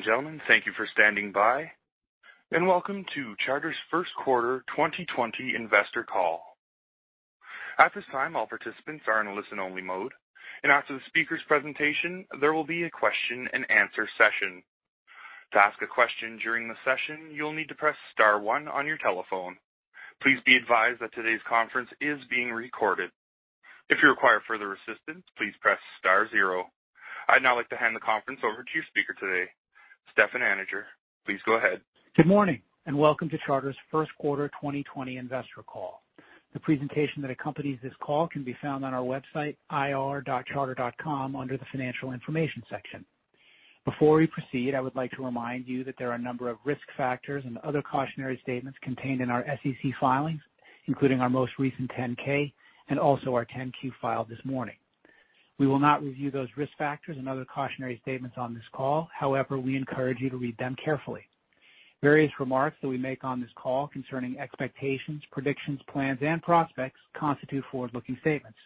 Ladies and gentlemen, thank you for standing by, and welcome to Charter's Q1 2020 Investor Call. At this time, all participants are in a listen-only mode. After the speaker's presentation, there will be a question and answer session. To ask a question during the session, you'll need to press star one on your telephone. Please be advised that today's conference is being recorded. If you require further assistance, please press star 0. I'd now like to hand the conference over to your speaker today, Stefan Anninger. Please go ahead. Good morning, welcome to Charter's Q1 2020 Investor Call. The presentation that accompanies this call can be found on our website, ir.charter.com, under the Financial Information section. Before we proceed, I would like to remind you that there are a number of risk factors and other cautionary statements contained in our SEC filings, including our most recent 10-K and also our 10-Q filed this morning. We will not review those risk factors and other cautionary statements on this call. We encourage you to read them carefully. Various remarks that we make on this call concerning expectations, predictions, plans, and prospects constitute forward-looking statements.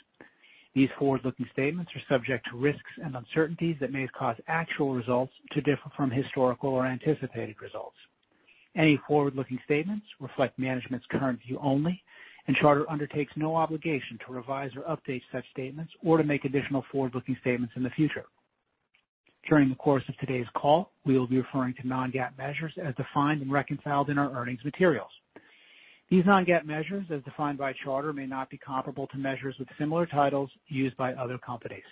These forward-looking statements are subject to risks and uncertainties that may cause actual results to differ from historical or anticipated results. Any forward-looking statements reflect management's current view only, and Charter undertakes no obligation to revise or update such statements or to make additional forward-looking statements in the future. During the course of today's call, we will be referring to non-GAAP measures as defined and reconciled in our earnings materials. These non-GAAP measures, as defined by Charter, may not be comparable to measures with similar titles used by other companies.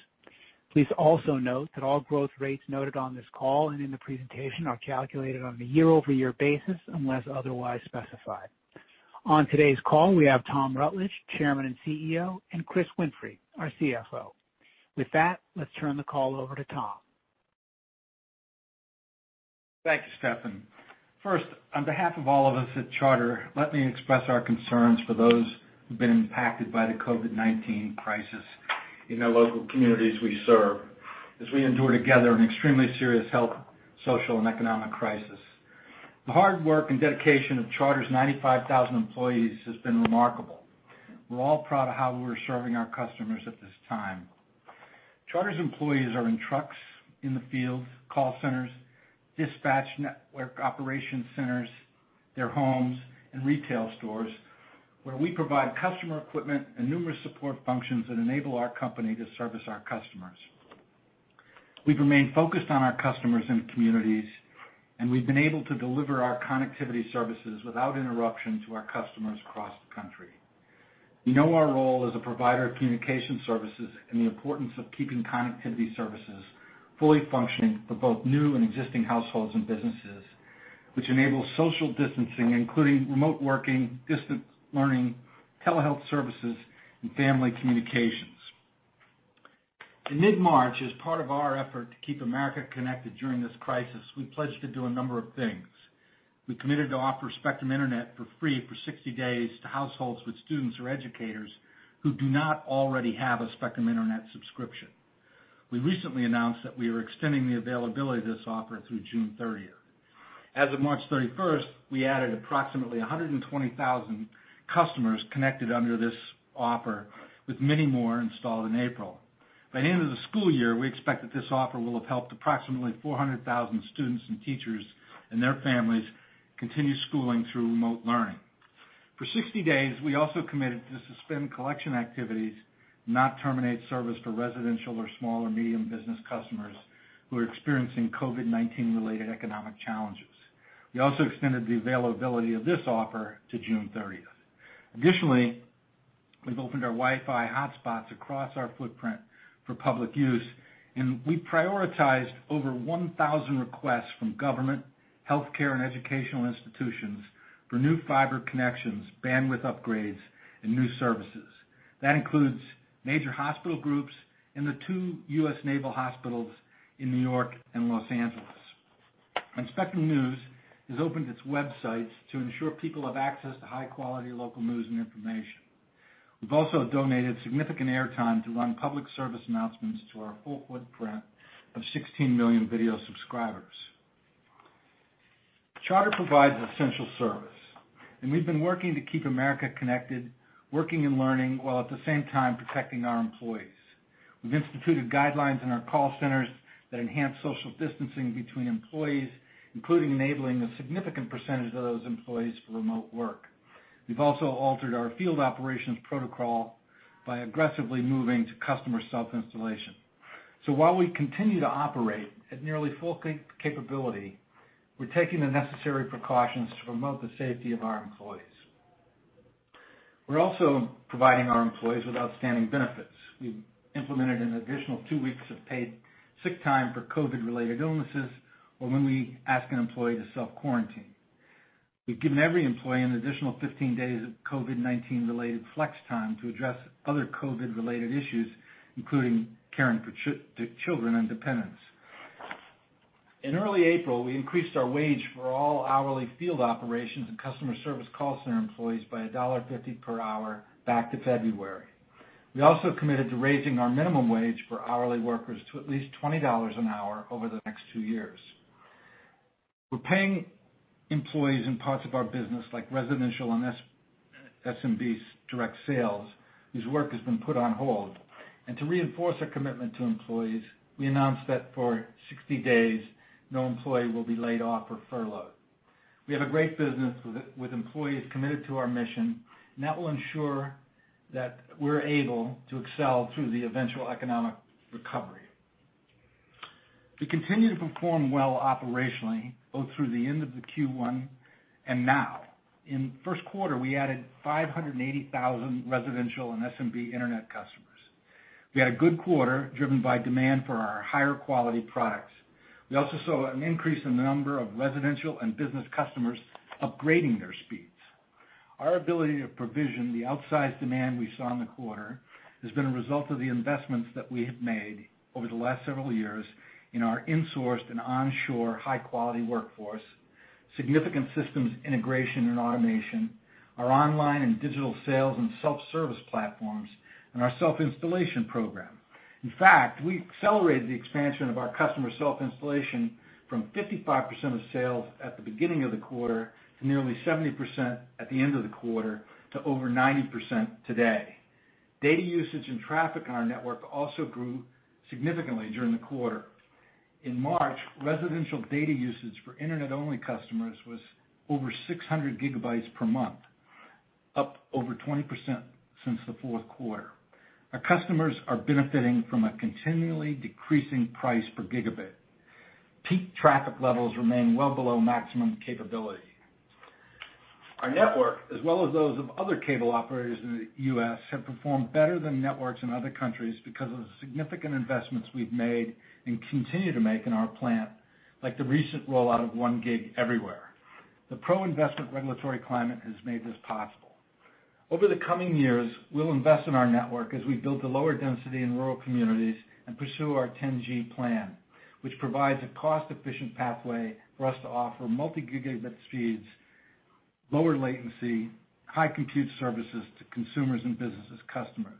Please also note that all growth rates noted on this call and in the presentation are calculated on a year-over-year basis unless otherwise specified. On today's call, we have Tom Rutledge, Chairman and CEO, and Christopher Winfrey, our CFO. With that, let's turn the call over to Tom. Thank you, Stefan. First, on behalf of all of us at Charter, let me express our concerns for those who've been impacted by the COVID-19 crisis in the local communities we serve as we endure together an extremely serious health, social, and economic crisis. The hard work and dedication of Charter's 95,000 employees has been remarkable. We're all proud of how we're serving our customers at this time. Charter's employees are in trucks, in the field, call centers, dispatch network operation centers, their homes, and retail stores, where we provide customer equipment and numerous support functions that enable our company to service our customers. We've remained focused on our customers and communities, and we've been able to deliver our connectivity services without interruption to our customers across the country. We know our role as a provider of communication services and the importance of keeping connectivity services fully functioning for both new and existing households and businesses, which enables social distancing, including remote working, distance learning, telehealth services, and family communications. In mid-March, as part of our effort to Keep Americans Connected during this crisis, we pledged to do a number of things. We committed to offer Spectrum Internet for free for 60 days to households with students or educators who do not already have a Spectrum Internet subscription. We recently announced that we are extending the availability of this offer through June 30th. As of March 31st, we added approximately 120,000 customers connected under this offer, with many more installed in April. By the end of the school year, we expect that this offer will have helped approximately 400,000 students and teachers and their families continue schooling through remote learning. We also committed to suspend collection activities and not terminate service for residential or small or medium business customers who are experiencing COVID-19 related economic challenges. We also extended the availability of this offer to June 30th. Additionally, we've opened our Wi-Fi hotspots across our footprint for public use, and we prioritized over 1,000 requests from government, healthcare, and educational institutions for new fiber connections, bandwidth upgrades, and new services. That includes major hospital groups and the two U.S. naval hospitals in N.Y. and L.A. Spectrum News has opened its websites to ensure people have access to high-quality local news and information. We've also donated significant airtime to run public service announcements to our full footprint of 16 million video subscribers. Charter provides an essential service, we've been working to keep America connected, working and learning, while at the same time protecting our employees. We've instituted guidelines in our call centers that enhance social distancing between employees, including enabling a significant percentage of those employees for remote work. We've also altered our field operations protocol by aggressively moving to customer self-installation. While we continue to operate at nearly full capability, we're taking the necessary precautions to promote the safety of our employees. We're also providing our employees with outstanding benefits. We've implemented an additional two weeks of paid sick time for COVID-related illnesses or when we ask an employee to self-quarantine. We've given every employee an additional 15 days of COVID-19 related flex time to address other COVID-related issues, including caring for children and dependents. In early April, we increased our wage for all hourly field operations and customer service call center employees by $1.50 per hour back to February. We also committed to raising our minimum wage for hourly workers to at least $20 an hour over the next two years. We're paying employees in parts of our business, like residential and SMBs direct sales, whose work has been put on hold. To reinforce our commitment to employees, we announced that for 60 days, no employee will be laid off or furloughed. We have a great business with employees committed to our mission, and that will ensure that we're able to excel through the eventual economic recovery. We continue to perform well operationally, both through the end of the Q1 and now. In the Q1, we added 580,000 residential and SMB internet customers. We had a good quarter, driven by demand for our higher quality products. We also saw an increase in the number of residential and business customers upgrading their speeds. Our ability to provision the outsized demand we saw in the quarter has been a result of the investments that we have made over the last several years in our insourced and onshore high-quality workforce, significant systems integration and automation, our online and digital sales and self-service platforms, and our self-installation program. In fact, we accelerated the expansion of our customer self-installation from 55% of sales at the beginning of the quarter, to nearly 70% at the end of the quarter, to over 90% today. Data usage and traffic on our network also grew significantly during the quarter. In March, residential data usage for internet-only customers was over 600 gigabytes per month, up over 20% since the Q4. Our customers are benefiting from a continually decreasing price per gigabit. Peak traffic levels remain well below maximum capability. Our network, as well as those of other cable operators in the U.S., have performed better than networks in other countries because of the significant investments we've made and continue to make in our plan, like the recent rollout of one gig everywhere. The pro-investment regulatory climate has made this possible. Over the coming years, we'll invest in our network as we build to lower density in rural communities and pursue our 10G plan, which provides a cost-efficient pathway for us to offer multi-gigabit speeds, lower latency, high compute services to consumers and businesses customers.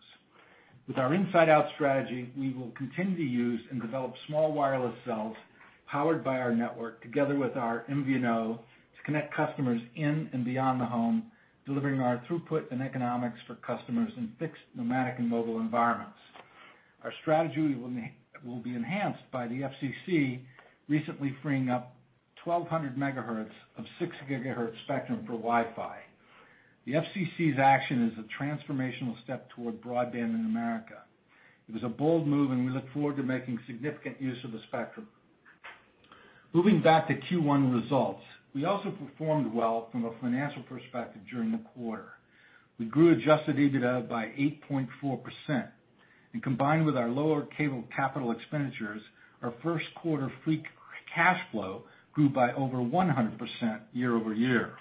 With our inside out strategy, we will continue to use and develop small wireless cells powered by our network together with our MVNO to connect customers in and beyond the home, delivering our throughput and economics for customers in fixed, nomadic, and mobile environments. Our strategy will be enhanced by the FCC recently freeing up 1,200 megahertz of 6 gigahertz spectrum for Wi-Fi. The FCC's action is a transformational step toward broadband in America. It was a bold move, and we look forward to making significant use of the spectrum. Moving back to Q1 results. We also performed well from a financial perspective during the quarter. We grew adjusted EBITDA by 8.4%, and combined with our lower cable capital expenditures, our Q1 free cash flow grew by over 100% year-over-year.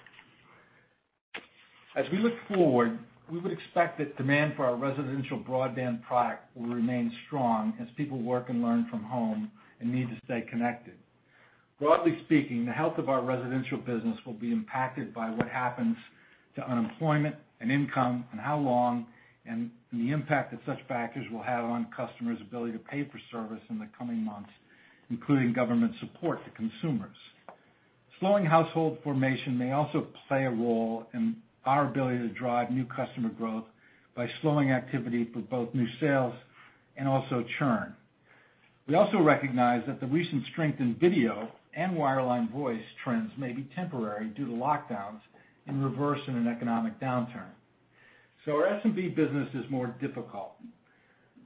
As we look forward, we would expect that demand for our residential broadband product will remain strong as people work and learn from home and need to stay connected. Broadly speaking, the health of our residential business will be impacted by what happens to unemployment and income, and how long, and the impact that such factors will have on customers' ability to pay for service in the coming months, including government support to consumers. Slowing household formation may also play a role in our ability to drive new customer growth by slowing activity for both new sales and also churn. We also recognize that the recent strength in video and wireline voice trends may be temporary due to lockdowns and reverse in an economic downturn. Our SMB business is more difficult.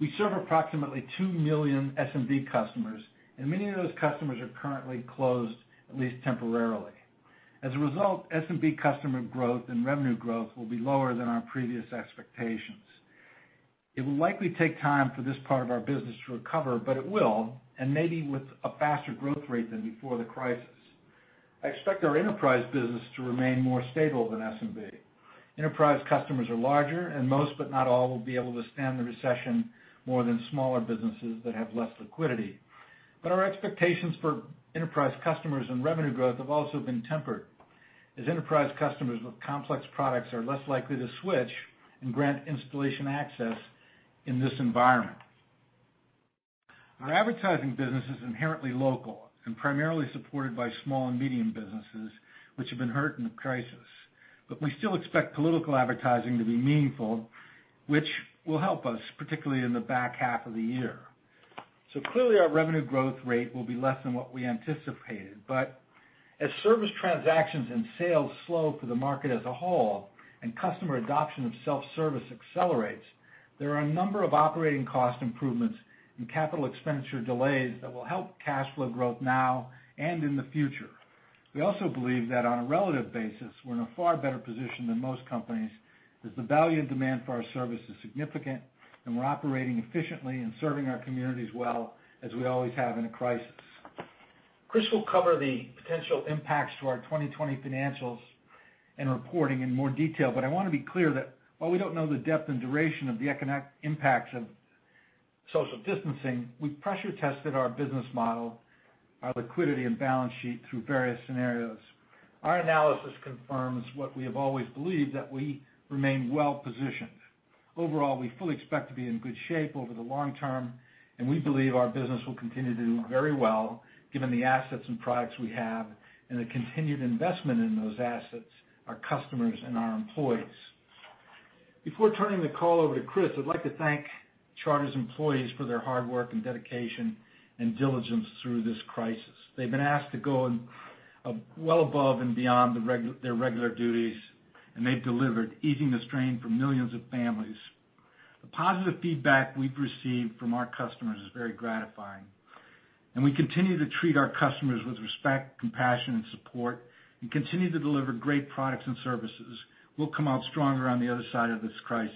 We serve approximately two million SMB customers, and many of those customers are currently closed, at least temporarily. As a result, SMB customer growth and revenue growth will be lower than our previous expectations. It will likely take time for this part of our business to recover, but it will, and maybe with a faster growth rate than before the crisis. I expect our enterprise business to remain more stable than SMB. Enterprise customers are larger and most, but not all, will be able to withstand the recession more than smaller businesses that have less liquidity. Our expectations for enterprise customers and revenue growth have also been tempered, as enterprise customers with complex products are less likely to switch and grant installation access in this environment. Our advertising business is inherently local and primarily supported by small and medium businesses, which have been hurt in the crisis. We still expect political advertising to be meaningful, which will help us, particularly in the back half of the year. Clearly our revenue growth rate will be less than what we anticipated. As service transactions and sales slow for the market as a whole and customer adoption of self-service accelerates, there are a number of operating cost improvements and capital expenditure delays that will help cash flow growth now and in the future. We also believe that on a relative basis, we're in a far better position than most companies, as the value and demand for our service is significant, and we're operating efficiently and serving our communities well as we always have in a crisis. Chris will cover the potential impacts to our 2020 financials and reporting in more detail, but I want to be clear that while we don't know the depth and duration of the economic impacts of social distancing, we've pressure tested our business model, our liquidity, and balance sheet through various scenarios. Our analysis confirms what we have always believed, that we remain well-positioned. Overall, we fully expect to be in good shape over the long term, and we believe our business will continue to do very well, given the assets and products we have and the continued investment in those assets, our customers, and our employees. Before turning the call over to Chris, I'd like to thank Charter's employees for their hard work and dedication and diligence through this crisis. They've been asked to go well above and beyond their regular duties, and they've delivered, easing the strain for millions of families. The positive feedback we've received from our customers is very gratifying, and we continue to treat our customers with respect, compassion, and support. We continue to deliver great products and services. We'll come out stronger on the other side of this crisis.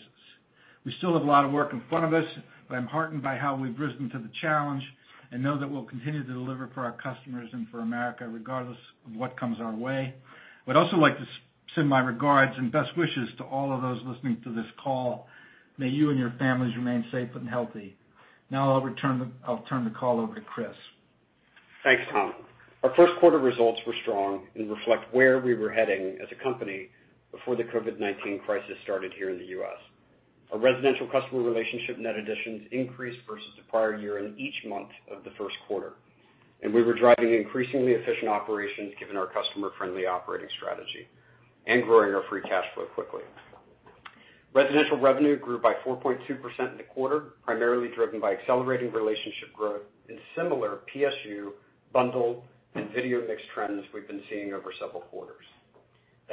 We still have a lot of work in front of us, but I'm heartened by how we've risen to the challenge and know that we'll continue to deliver for our customers and for America regardless of what comes our way. I would also like to send my regards and best wishes to all of those listening to this call. May you and your families remain safe and healthy. Now I'll turn the call over to Chris. Thanks, Tom. Our Q1 results were strong and reflect where we were heading as a company before the COVID-19 crisis started here in the U.S. Our residential customer relationship net additions increased versus the prior year in each month of the Q1, and we were driving increasingly efficient operations given our customer-friendly operating strategy and growing our free cash flow quickly. Residential revenue grew by 4.2% in the quarter, primarily driven by accelerating relationship growth and similar PSU, bundle, and video mix trends we've been seeing over several quarters.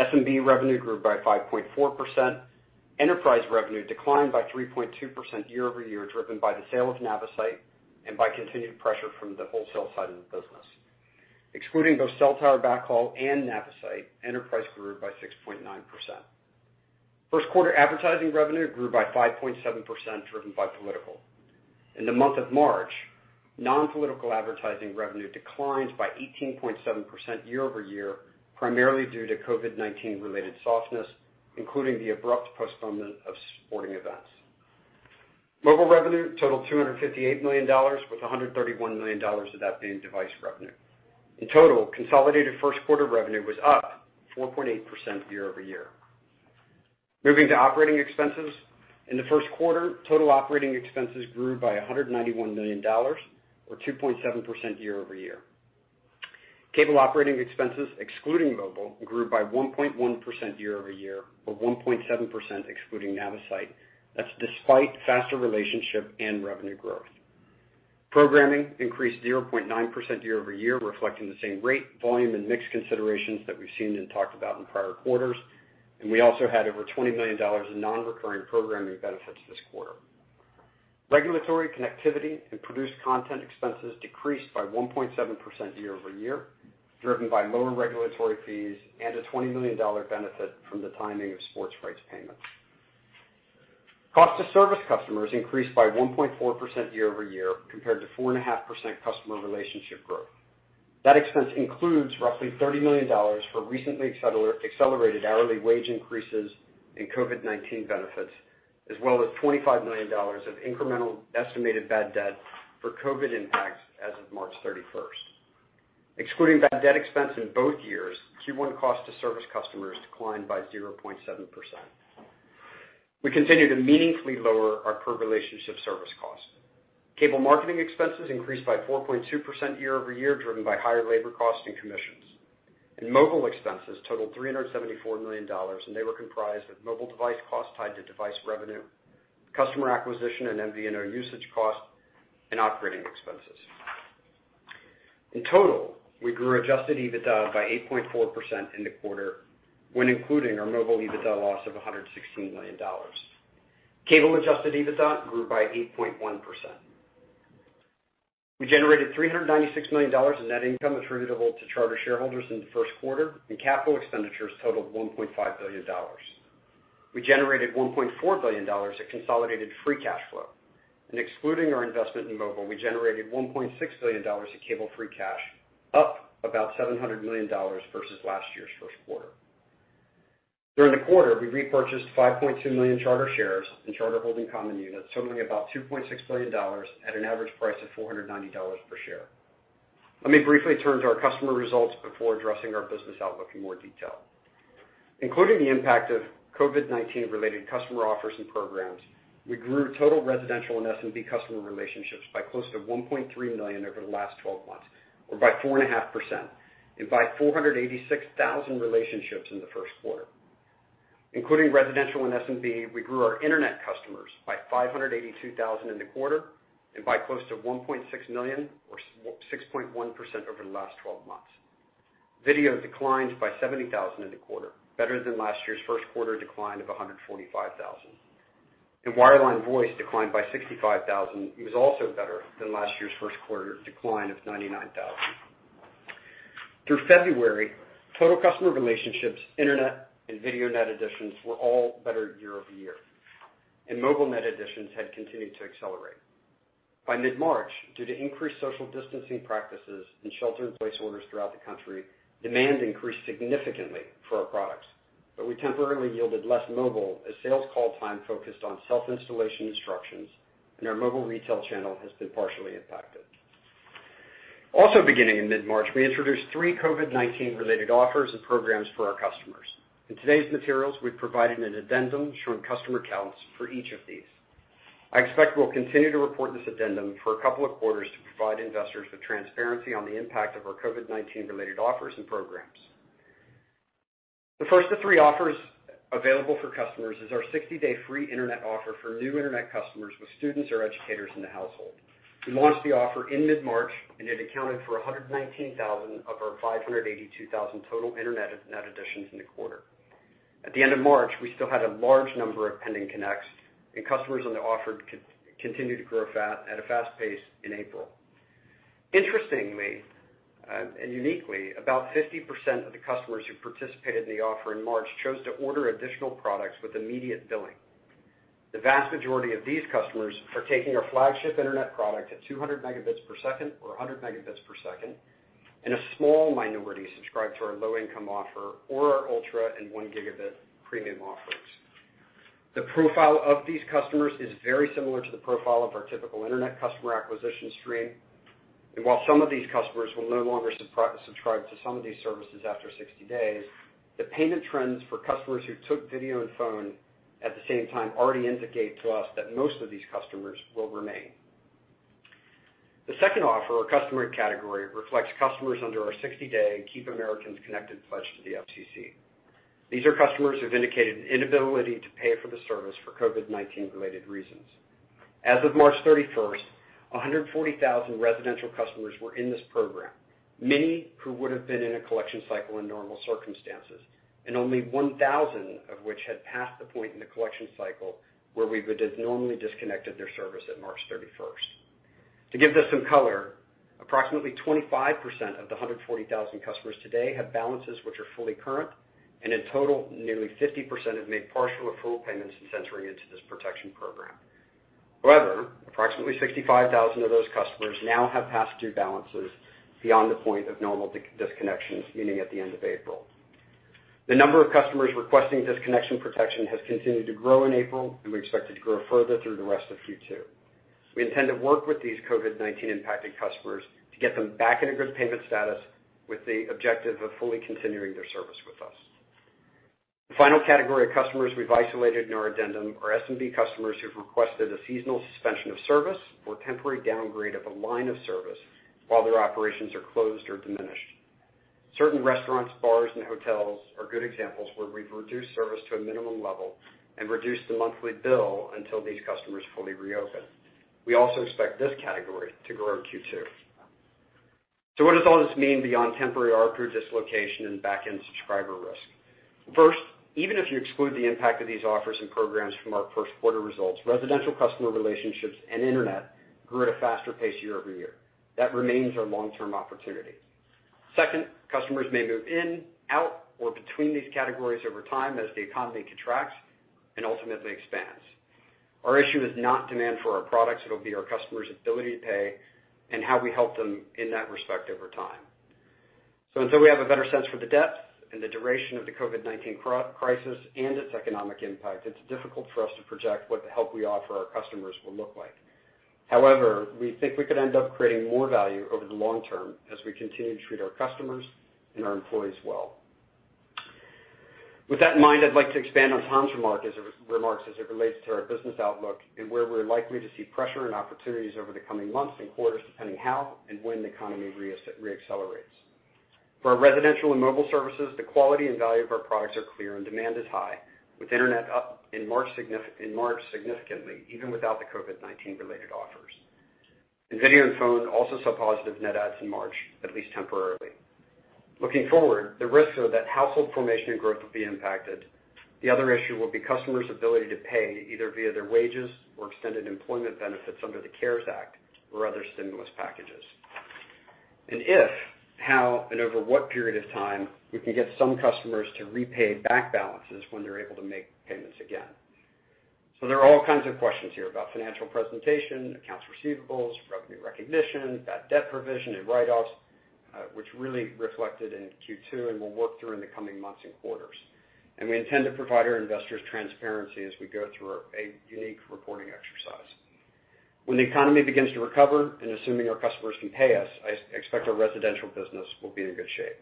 SMB revenue grew by 5.4%. Enterprise revenue declined by 3.2% year over year, driven by the sale of Navisite and by continued pressure from the wholesale side of the business. Excluding both cell site backhaul and Navisite, enterprise grew by 6.9%. Q1 advertising revenue grew by 5.7%, driven by political. In the month of March, non-political advertising revenue declined by 18.7% year-over-year, primarily due to COVID-19 related softness, including the abrupt postponement of sporting events. Mobile revenue totaled $258 million, with $131 million of that being device revenue. In total, consolidated Q1 revenue was up 4.8% year-over-year. Moving to operating expenses. In the Q1, total operating expenses grew by $191 million, or 2.7% year-over-year. Cable operating expenses, excluding mobile, grew by 1.1% year-over-year, or 1.7% excluding Navisite. That's despite faster relationship and revenue growth. Programming increased 0.9% year-over-year, reflecting the same rate, volume, and mix considerations that we've seen and talked about in prior quarters. We also had over $20 million in non-recurring programming benefits this quarter. Regulatory connectivity and produced content expenses decreased by 1.7% year-over-year, driven by lower regulatory fees and a $20 million benefit from the timing of sports rights payments. Cost to service customers increased by 1.4% year-over-year compared to 4.5% customer relationship growth. That expense includes roughly $30 million for recently accelerated hourly wage increases and COVID-19 benefits, as well as $25 million of incremental estimated bad debt for COVID impacts as of March 31st. Excluding bad debt expense in both years, Q1 cost to service customers declined by 0.7%. We continue to meaningfully lower our per-relationship service cost. Cable marketing expenses increased by 4.2% year-over-year, driven by higher labor costs and commissions. Mobile expenses totaled $374 million, and they were comprised of mobile device costs tied to device revenue, customer acquisition and MVNO usage costs, and operating expenses. In total, we grew adjusted EBITDA by 8.4% in the quarter when including our mobile EBITDA loss of $116 million. Cable adjusted EBITDA grew by 8.1%. We generated $396 million in net income attributable to Charter shareholders in the Q1, and capital expenditures totaled $1.5 billion. We generated $1.4 billion of consolidated free cash flow. Excluding our investment in mobile, we generated $1.6 billion of cable free cash, up about $700 million versus last year's Q1. During the quarter, we repurchased 5.2 million Charter shares and Charter holding common units totaling about $2.6 billion at an average price of $490 per share. Let me briefly turn to our customer results before addressing our business outlook in more detail. Including the impact of COVID-19 related customer offers and programs, we grew total residential and SMB customer relationships by close to 1.3 million over the last 12 months, or by 4.5%, and by 486,000 relationships in the Q1. Including residential and SMB, we grew our internet customers by 582,000 in the quarter and by close to 1.6 million or 6.1% over the last 12 months. Video declined by 70,000 in the quarter, better than last year's Q1 decline of 145,000. Wireline voice declined by 65,000. It was also better than last year's Q1 decline of 99,000. Through February, total customer relationships, internet, and video net additions were all better year-over-year. Mobile net additions had continued to accelerate. By mid-March, due to increased social distancing practices and shelter in place orders throughout the country, demand increased significantly for our products. We temporarily yielded less mobile as sales call time focused on self-installation instructions and our mobile retail channel has been partially impacted. Also beginning in mid-March, we introduced three COVID-19 related offers and programs for our customers. In today's materials, we've provided an addendum showing customer counts for each of these. I expect we'll continue to report this addendum for a couple of quarters to provide investors with transparency on the impact of our COVID-19 related offers and programs. The first of three offers available for customers is our 60-day free internet offer for new internet customers with students or educators in the household. We launched the offer in mid-March, and it accounted for 119,000 of our 582,000 total internet net additions in the quarter. At the end of March, we still had a large number of pending connects, and customers on the offer continued to grow at a fast pace in April. Interestingly and uniquely, about 50% of the customers who participated in the offer in March chose to order additional products with immediate billing. The vast majority of these customers are taking our flagship internet product at 200 megabits per second or 100 megabits per second, and a small minority subscribed to our low-income offer or our Ultra and one gigabit premium offerings. The profile of these customers is very similar to the profile of our typical internet customer acquisition stream. While some of these customers will no longer subscribe to some of these services after 60 days, the payment trends for customers who took video and phone at the same time already indicate to us that most of these customers will remain. The second offer or customer category reflects customers under our 60-day Keep Americans Connected Pledge to the FCC. These are customers who have indicated an inability to pay for the service for COVID-19 related reasons. As of March 31st, 140,000 residential customers were in this program, many who would have been in a collection cycle in normal circumstances, and only 1,000 of which had passed the point in the collection cycle where we would have normally disconnected their service at March 31st. To give this some color, approximately 25% of the 140,000 customers today have balances which are fully current, and in total, nearly 50% have made partial or full payments since entering into this protection program. Approximately 65,000 of those customers now have past due balances beyond the point of normal disconnections ending at the end of April. The number of customers requesting disconnection protection has continued to grow in April, and we expect it to grow further through the rest of Q2. We intend to work with these COVID-19 impacted customers to get them back in a good payment status with the objective of fully continuing their service with us. The final category of customers we've isolated in our addendum are SMB customers who've requested a seasonal suspension of service or temporary downgrade of a line of service while their operations are closed or diminished. Certain restaurants, bars, and hotels are good examples where we've reduced service to a minimum level and reduced the monthly bill until these customers fully reopen. We also expect this category to grow in Q2. What does all this mean beyond temporary ARPU dislocation and backend subscriber risk? First, even if you exclude the impact of these offers and programs from our Q1 results, residential customer relationships and internet grew at a faster pace year-over-year. That remains our long-term opportunity. Second, customers may move in, out, or between these categories over time as the economy contracts and ultimately expands. Our issue is not demand for our products. It'll be our customer's ability to pay and how we help them in that respect over time. Until we have a better sense for the depth and the duration of the COVID-19 crisis and its economic impact, it's difficult for us to project what the help we offer our customers will look like. However, we think we could end up creating more value over the long term as we continue to treat our customers and our employees well. With that in mind, I'd like to expand on Tom's remarks as it relates to our business outlook and where we're likely to see pressure and opportunities over the coming months and quarters, depending how and when the economy re-accelerates. For our residential and mobile services, the quality and value of our products are clear and demand is high, with internet up in March significantly, even without the COVID-19 related offers. Video and phone also saw positive net adds in March, at least temporarily. Looking forward, the risks are that household formation and growth will be impacted. The other issue will be customers' ability to pay, either via their wages or extended employment benefits under the CARES Act or other stimulus packages. If, how, and over what period of time we can get some customers to repay back balances when they're able to make payments again. There are all kinds of questions here about financial presentation, accounts receivables, revenue recognition, bad debt provision, and write-offs, which really reflected in Q2 and will work through in the coming months and quarters. We intend to provide our investors transparency as we go through a unique reporting exercise. When the economy begins to recover and assuming our customers can pay us, I expect our residential business will be in good shape.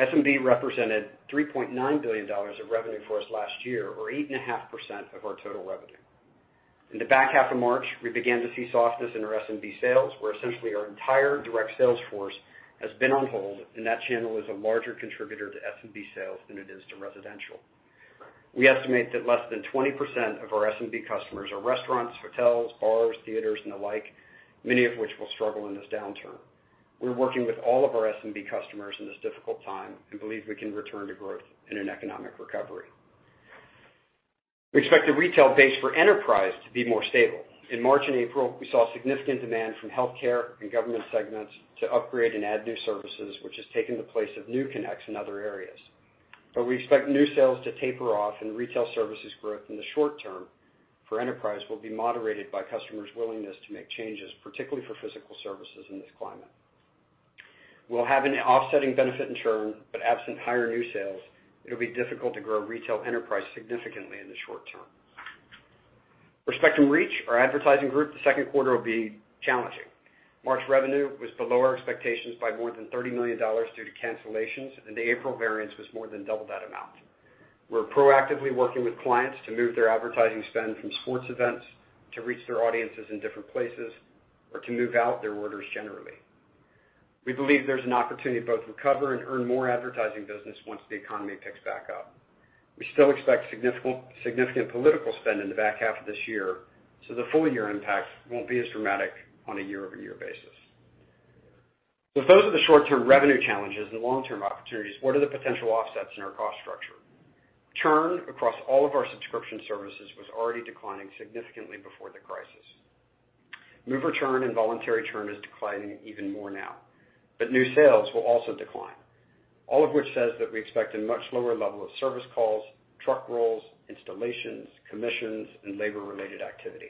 SMB represented $3.9 billion of revenue for us last year, or 8.5% of our total revenue. In the back half of March, we began to see softness in our SMB sales, where essentially our entire direct sales force has been on hold. That channel is a larger contributor to SMB sales than it is to residential. We estimate that less than 20% of our SMB customers are restaurants, hotels, bars, theaters, and the like, many of which will struggle in this downturn. We're working with all of our SMB customers in this difficult time and believe we can return to growth in an economic recovery. We expect the retail base for Enterprise to be more stable. In March and April, we saw significant demand from healthcare and government segments to upgrade and add new services, which has taken the place of new connects in other areas. We expect new sales to taper off and retail services growth in the short term for enterprise will be moderated by customers' willingness to make changes, particularly for physical services in this climate. We'll have an offsetting benefit in churn, but absent higher new sales, it'll be difficult to grow retail enterprise significantly in the short term. For Spectrum Reach, our advertising group, the Q2 will be challenging. March revenue was below our expectations by more than $30 million due to cancellations, and the April variance was more than double that amount. We're proactively working with clients to move their advertising spend from sports events to reach their audiences in different places or to move out their orders generally. We believe there's an opportunity to both recover and earn more advertising business once the economy picks back up. We still expect significant political spend in the back half of this year, the full year impact won't be as dramatic on a year-over-year basis. Those are the short-term revenue challenges and the long-term opportunities. What are the potential offsets in our cost structure? Churn across all of our subscription services was already declining significantly before the crisis. Mover churn and voluntary churn is declining even more now, new sales will also decline. All of which says that we expect a much lower level of service calls, truck rolls, installations, commissions, and labor-related activity.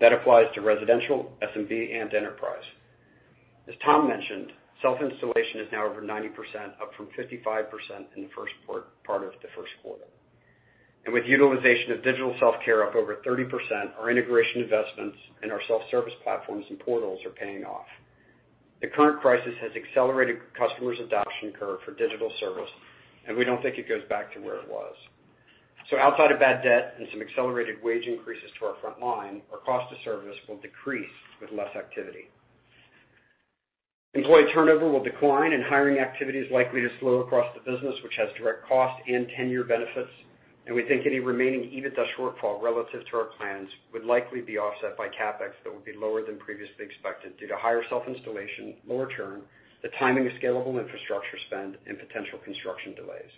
That applies to residential, SMB, and enterprise. As Tom mentioned, self-installation is now over 90%, up from 55% in the first part of the Q1. With utilization of digital self-care up over 30%, our integration investments in our self-service platforms and portals are paying off. The current crisis has accelerated customers' adoption curve for digital service, and we don't think it goes back to where it was. Outside of bad debt and some accelerated wage increases to our frontline, our cost of service will decrease with less activity. Employee turnover will decline and hiring activity is likely to slow across the business, which has direct cost and tenure benefits, and we think any remaining EBITDA shortfall relative to our plans would likely be offset by CapEx that will be lower than previously expected due to higher self-installation, lower churn, the timing of scalable infrastructure spend, and potential construction delays.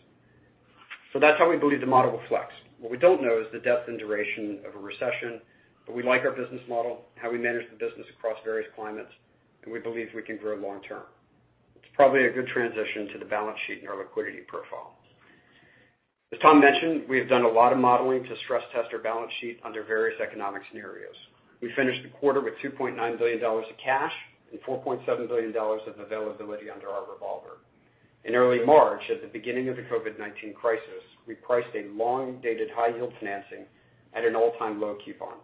That's how we believe the model will flex. What we don't know is the depth and duration of a recession, but we like our business model, how we manage the business across various climates, and we believe we can grow long term. It's probably a good transition to the balance sheet and our liquidity profile. As Tom mentioned, we have done a lot of modeling to stress test our balance sheet under various economic scenarios. We finished the quarter with $2.9 billion of cash and $4.7 billion of availability under our revolver. In early March, at the beginning of the COVID-19 crisis, we priced a long-dated high-yield financing at an all-time low coupon.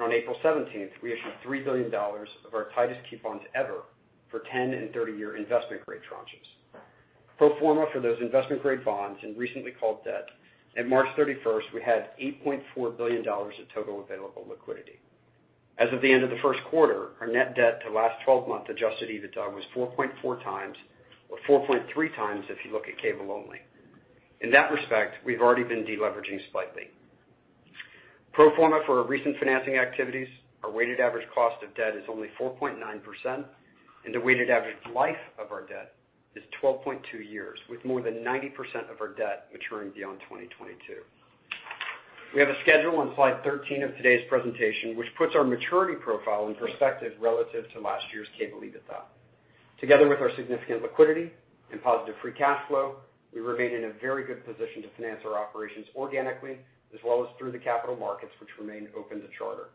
On April 17th, we issued $3 billion of our tightest coupons ever for 10 and 30-year investment-grade tranches. Pro forma for those investment-grade bonds and recently called debt, at March 31st, we had $8.4 billion of total available liquidity. As of the end of the Q1, our net debt to last 12-month adjusted EBITDA was 4.4 times, or 4.3 times if you look at cable only. In that respect, we've already been de-leveraging slightly. Pro forma for our recent financing activities, our weighted average cost of debt is only 4.9%, and the weighted average life of our debt is 12.2 years, with more than 90% of our debt maturing beyond 2022. We have a schedule on slide 13 of today's presentation, which puts our maturity profile in perspective relative to last year's cable EBITDA. Together with our significant liquidity and positive free cash flow, we remain in a very good position to finance our operations organically, as well as through the capital markets, which remain open to Charter.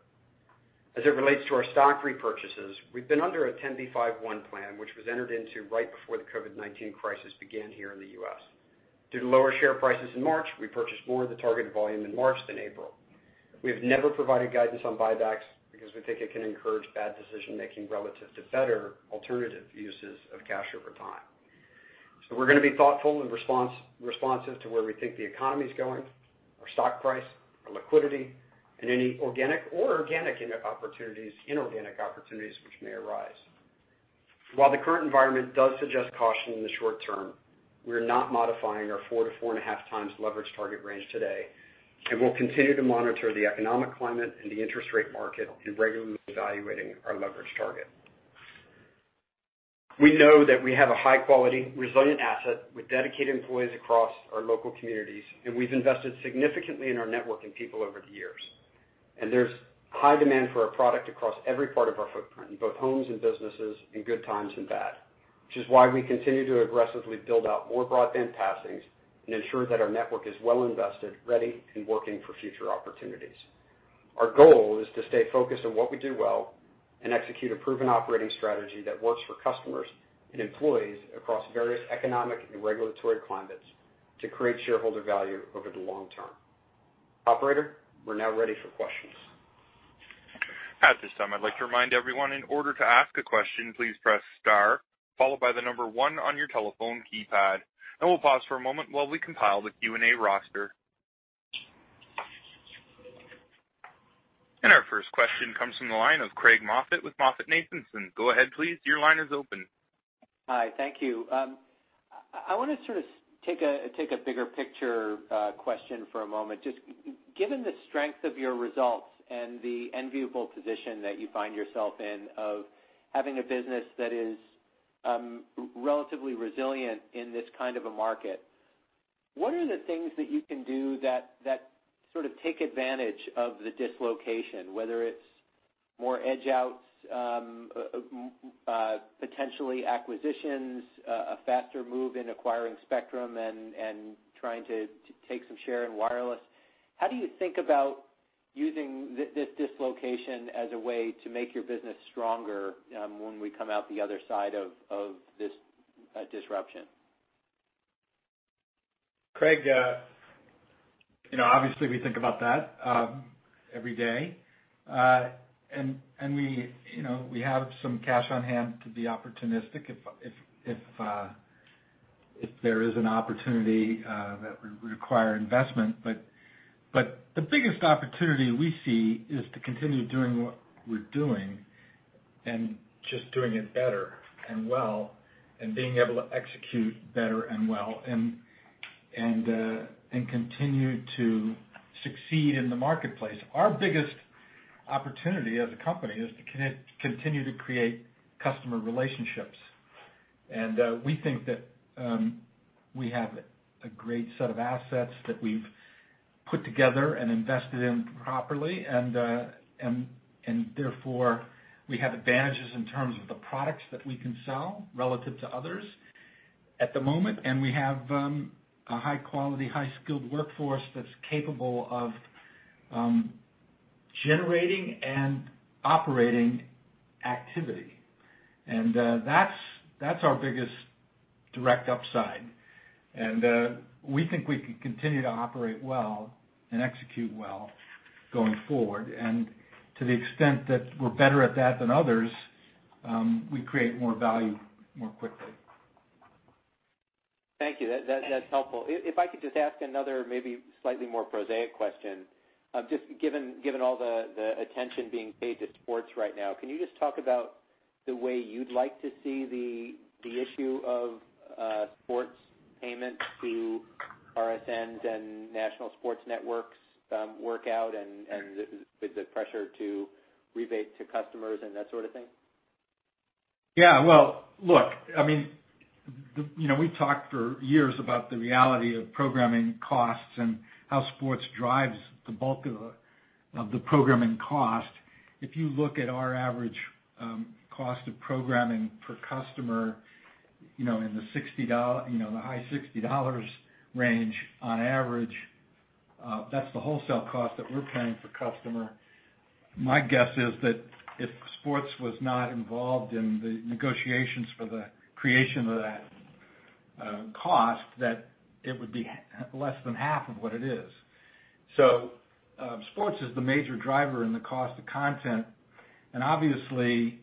As it relates to our stock repurchases, we've been under a 10b5-1 plan, which was entered into right before the COVID-19 crisis began here in the U.S. Due to lower share prices in March, we purchased more of the targeted volume in March than April. We have never provided guidance on buybacks because we think it can encourage bad decision-making relative to better alternative uses of cash over time. We're going to be thoughtful and responsive to where we think the economy's going, our stock price, our liquidity, and any organic or inorganic opportunities which may arise. While the current environment does suggest caution in the short term, we are not modifying our four to four and a half times leverage target range today, and we'll continue to monitor the economic climate and the interest rate market in regularly evaluating our leverage target. We know that we have a high-quality, resilient asset with dedicated employees across our local communities, and we've invested significantly in our network and people over the years. There's high demand for our product across every part of our footprint, in both homes and businesses, in good times and bad, which is why we continue to aggressively build out more broadband passings and ensure that our network is well invested, ready, and working for future opportunities. Our goal is to stay focused on what we do well and execute a proven operating strategy that works for customers and employees across various economic and regulatory climates to create shareholder value over the long term. Operator, we're now ready for questions. At this time, I'd like to remind everyone, in order to ask a question, please press star followed by the number one on your telephone keypad. We'll pause for a moment while we compile the Q&A roster. Our first question comes from the line of Craig Moffett with MoffettNathanson. Go ahead, please. Your line is open. Hi. Thank you. I want to sort of take a bigger picture question for a moment. Just given the strength of your results and the enviable position that you find yourself in of having a business that is relatively resilient in this kind of a market, what are the things that you can do that sort of take advantage of the dislocation, whether it's more edge outs, potentially acquisitions, a faster move in acquiring Spectrum and trying to take some share in wireless. How do you think about? Using this dislocation as a way to make your business stronger when we come out the other side of this disruption. Craig, obviously we think about that every day. We have some cash on hand to be opportunistic if there is an opportunity that would require investment. The biggest opportunity we see is to continue doing what we're doing, and just doing it better and well, and being able to execute better and well, and continue to succeed in the marketplace. Our biggest opportunity as a company is to continue to create customer relationships. We think that we have a great set of assets that we've put together and invested in properly. Therefore, we have advantages in terms of the products that we can sell relative to others at the moment, and we have a high quality, high skilled workforce that's capable of generating and operating activity. That's our biggest direct upside. We think we can continue to operate well and execute well going forward. To the extent that we're better at that than others, we create more value more quickly. Thank you. That's helpful. If I could just ask another maybe slightly more prosaic question. Given all the attention being paid to sports right now, can you just talk about the way you'd like to see the issue of sports payments to RSNs and national sports networks work out, and the pressure to rebate to customers and that sort of thing? Yeah. Well, look, we've talked for years about the reality of programming costs and how sports drives the bulk of the programming cost. If you look at our average cost of programming per customer, in the high $60 range on average, that's the wholesale cost that we're paying per customer. My guess is that if sports was not involved in the negotiations for the creation of that cost, that it would be less than half of what it is. Sports is the major driver in the cost of content, and obviously,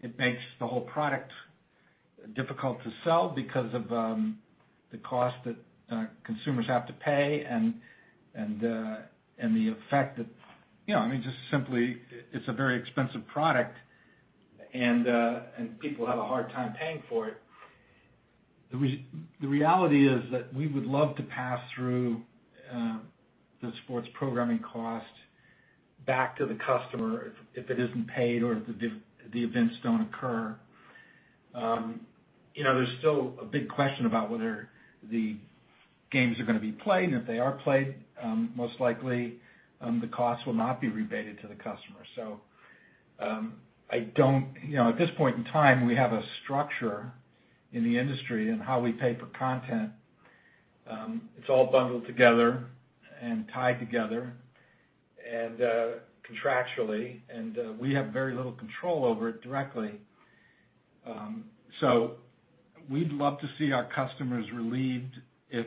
it makes the whole product difficult to sell because of the cost that consumers have to pay, and the effect that just simply, it's a very expensive product and people have a hard time paying for it. The reality is that we would love to pass through the sports programming cost back to the customer if it isn't paid or if the events don't occur. There's still a big question about whether the games are going to be played, and if they are played, most likely, the cost will not be rebated to the customer. At this point in time, we have a structure in the industry in how we pay for content. It's all bundled together and tied together contractually, and we have very little control over it directly. We'd love to see our customers relieved if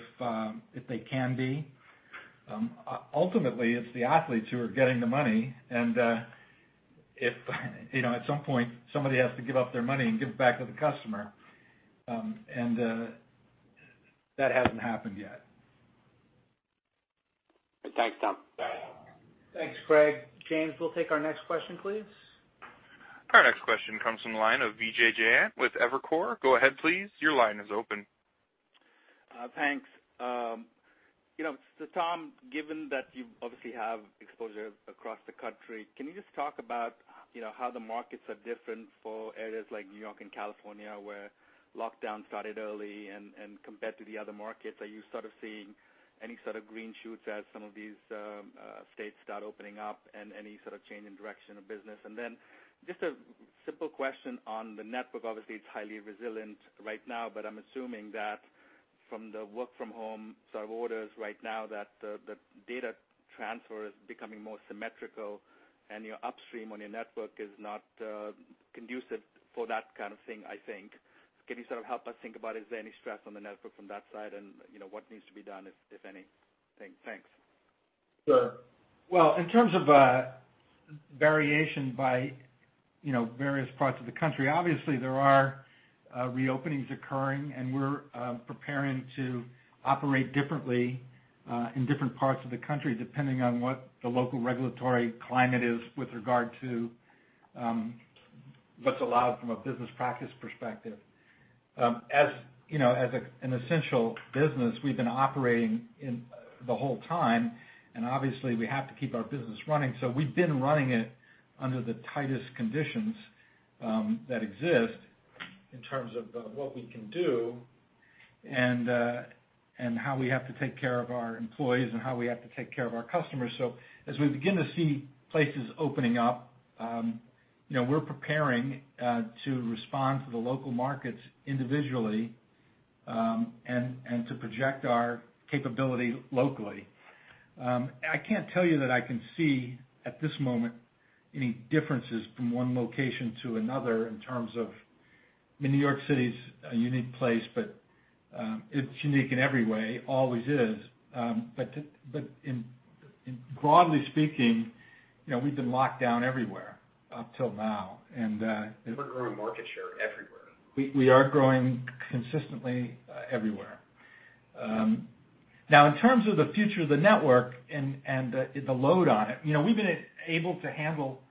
they can be. Ultimately, it's the athletes who are getting the money, and at some point somebody has to give up their money and give it back to the customer. That hasn't happened yet. Thanks, Tom. Bye. Thanks, Craig. James, we'll take our next question, please. Our next question comes from the line of Vijay Jayant with Evercore ISI. Go ahead, please. Your line is open. Thanks. Tom, given that you obviously have exposure across the country, can you just talk about how the markets are different for areas like New York and California, where lockdown started early and compared to the other markets? Are you sort of seeing any sort of green shoots as some of these states start opening up and any sort of change in direction of business? Just a simple question on the network. Obviously, it's highly resilient right now, but I'm assuming that from the work from home sort of orders right now, that the data transfer is becoming more symmetrical and your upstream on your network is not conducive for that kind of thing, I think. Can you sort of help us think about, is there any stress on the network from that side? What needs to be done if anything? Thanks. Sure. Well, in terms of variation by various parts of the country, obviously there are reopenings occurring and we're preparing to operate differently in different parts of the country, depending on what the local regulatory climate is with regard to what's allowed from a business practice perspective. As an essential business, we've been operating the whole time. Obviously, we have to keep our business running. We've been running it under the tightest conditions that exist in terms of what we can do and how we have to take care of our employees and how we have to take care of our customers. As we begin to see places opening up, we're preparing to respond to the local markets individually and to project our capability locally. I can't tell you that I can see, at this moment, any differences from one location to another in terms of New York City's a unique place, but it's unique in every way, always is. Broadly speaking, we've been locked down everywhere up till now. We're growing market share everywhere. We are growing consistently everywhere. In terms of the future of the network and the load on it, we've been able to handle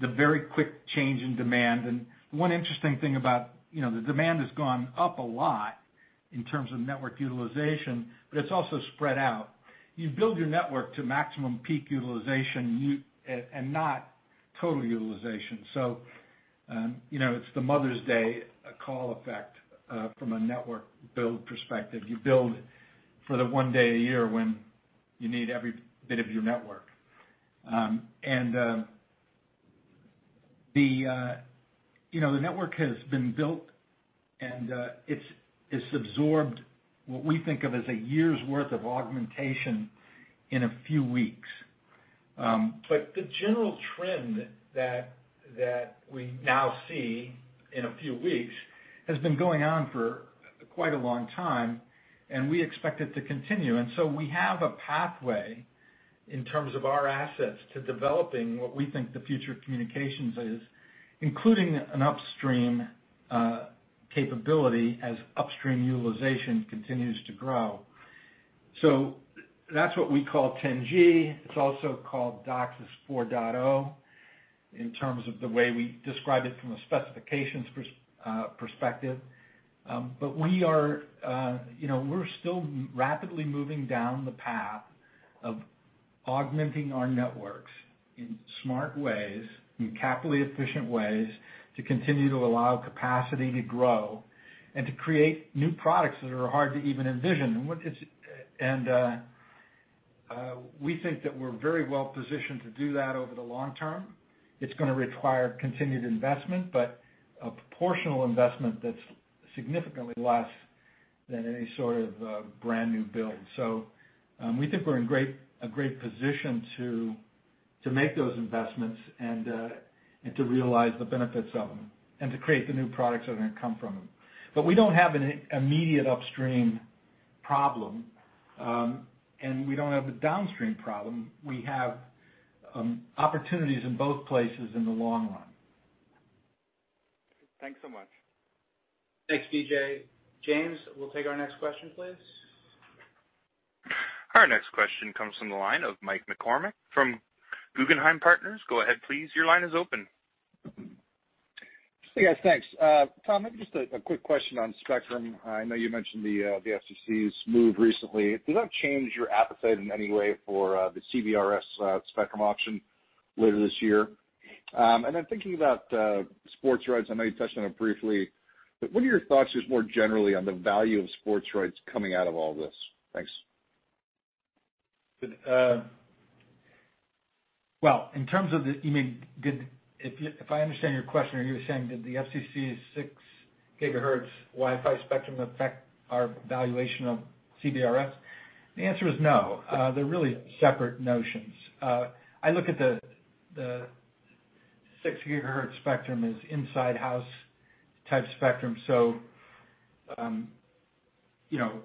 the very quick change in demand. One interesting thing, the demand has gone up a lot in terms of network utilization, but it's also spread out. You build your network to maximum peak utilization and not total utilization. It's the Mother's Day call effect, from a network build perspective. You build for the one day a year when you need every bit of your network. The network has been built, and it's absorbed what we think of as a year's worth of augmentation in a few weeks. The general trend that we now see in a few weeks has been going on for quite a long time, and we expect it to continue. We have a pathway, in terms of our assets, to developing what we think the future of communications is, including an upstream capability as upstream utilization continues to grow. That's what we call 10G. It's also called DOCSIS 4.0, in terms of the way we describe it from a specifications perspective. We're still rapidly moving down the path of augmenting our networks in smart ways, in capitally efficient ways, to continue to allow capacity to grow and to create new products that are hard to even envision. We think that we're very well positioned to do that over the long term. It's going to require continued investment, but a proportional investment that's significantly less than any sort of brand-new build. We think we're in a great position to make those investments and to realize the benefits of them and to create the new products that are going to come from them. We don't have an immediate upstream problem, and we don't have a downstream problem. We have opportunities in both places in the long run. Thanks so much. Thanks, Vijay. James, we'll take our next question, please. Our next question comes from the line of Mike McCormack from Guggenheim Partners. Go ahead, please. Your line is open. Hey, guys. Thanks. Tom, maybe just a quick question on Spectrum. I know you mentioned the FCC's move recently. Does that change your appetite in any way for the CBRS Spectrum auction later this year? Thinking about sports rights, I know you touched on it briefly, but what are your thoughts just more generally on the value of sports rights coming out of all this? Thanks. Well, if I understand your question, are you saying did the FCC's six gigahertz Wi-Fi spectrum affect our valuation of CBRS? The answer is no. They're really separate notions. I look at the six gigahertz spectrum as inside house type spectrum.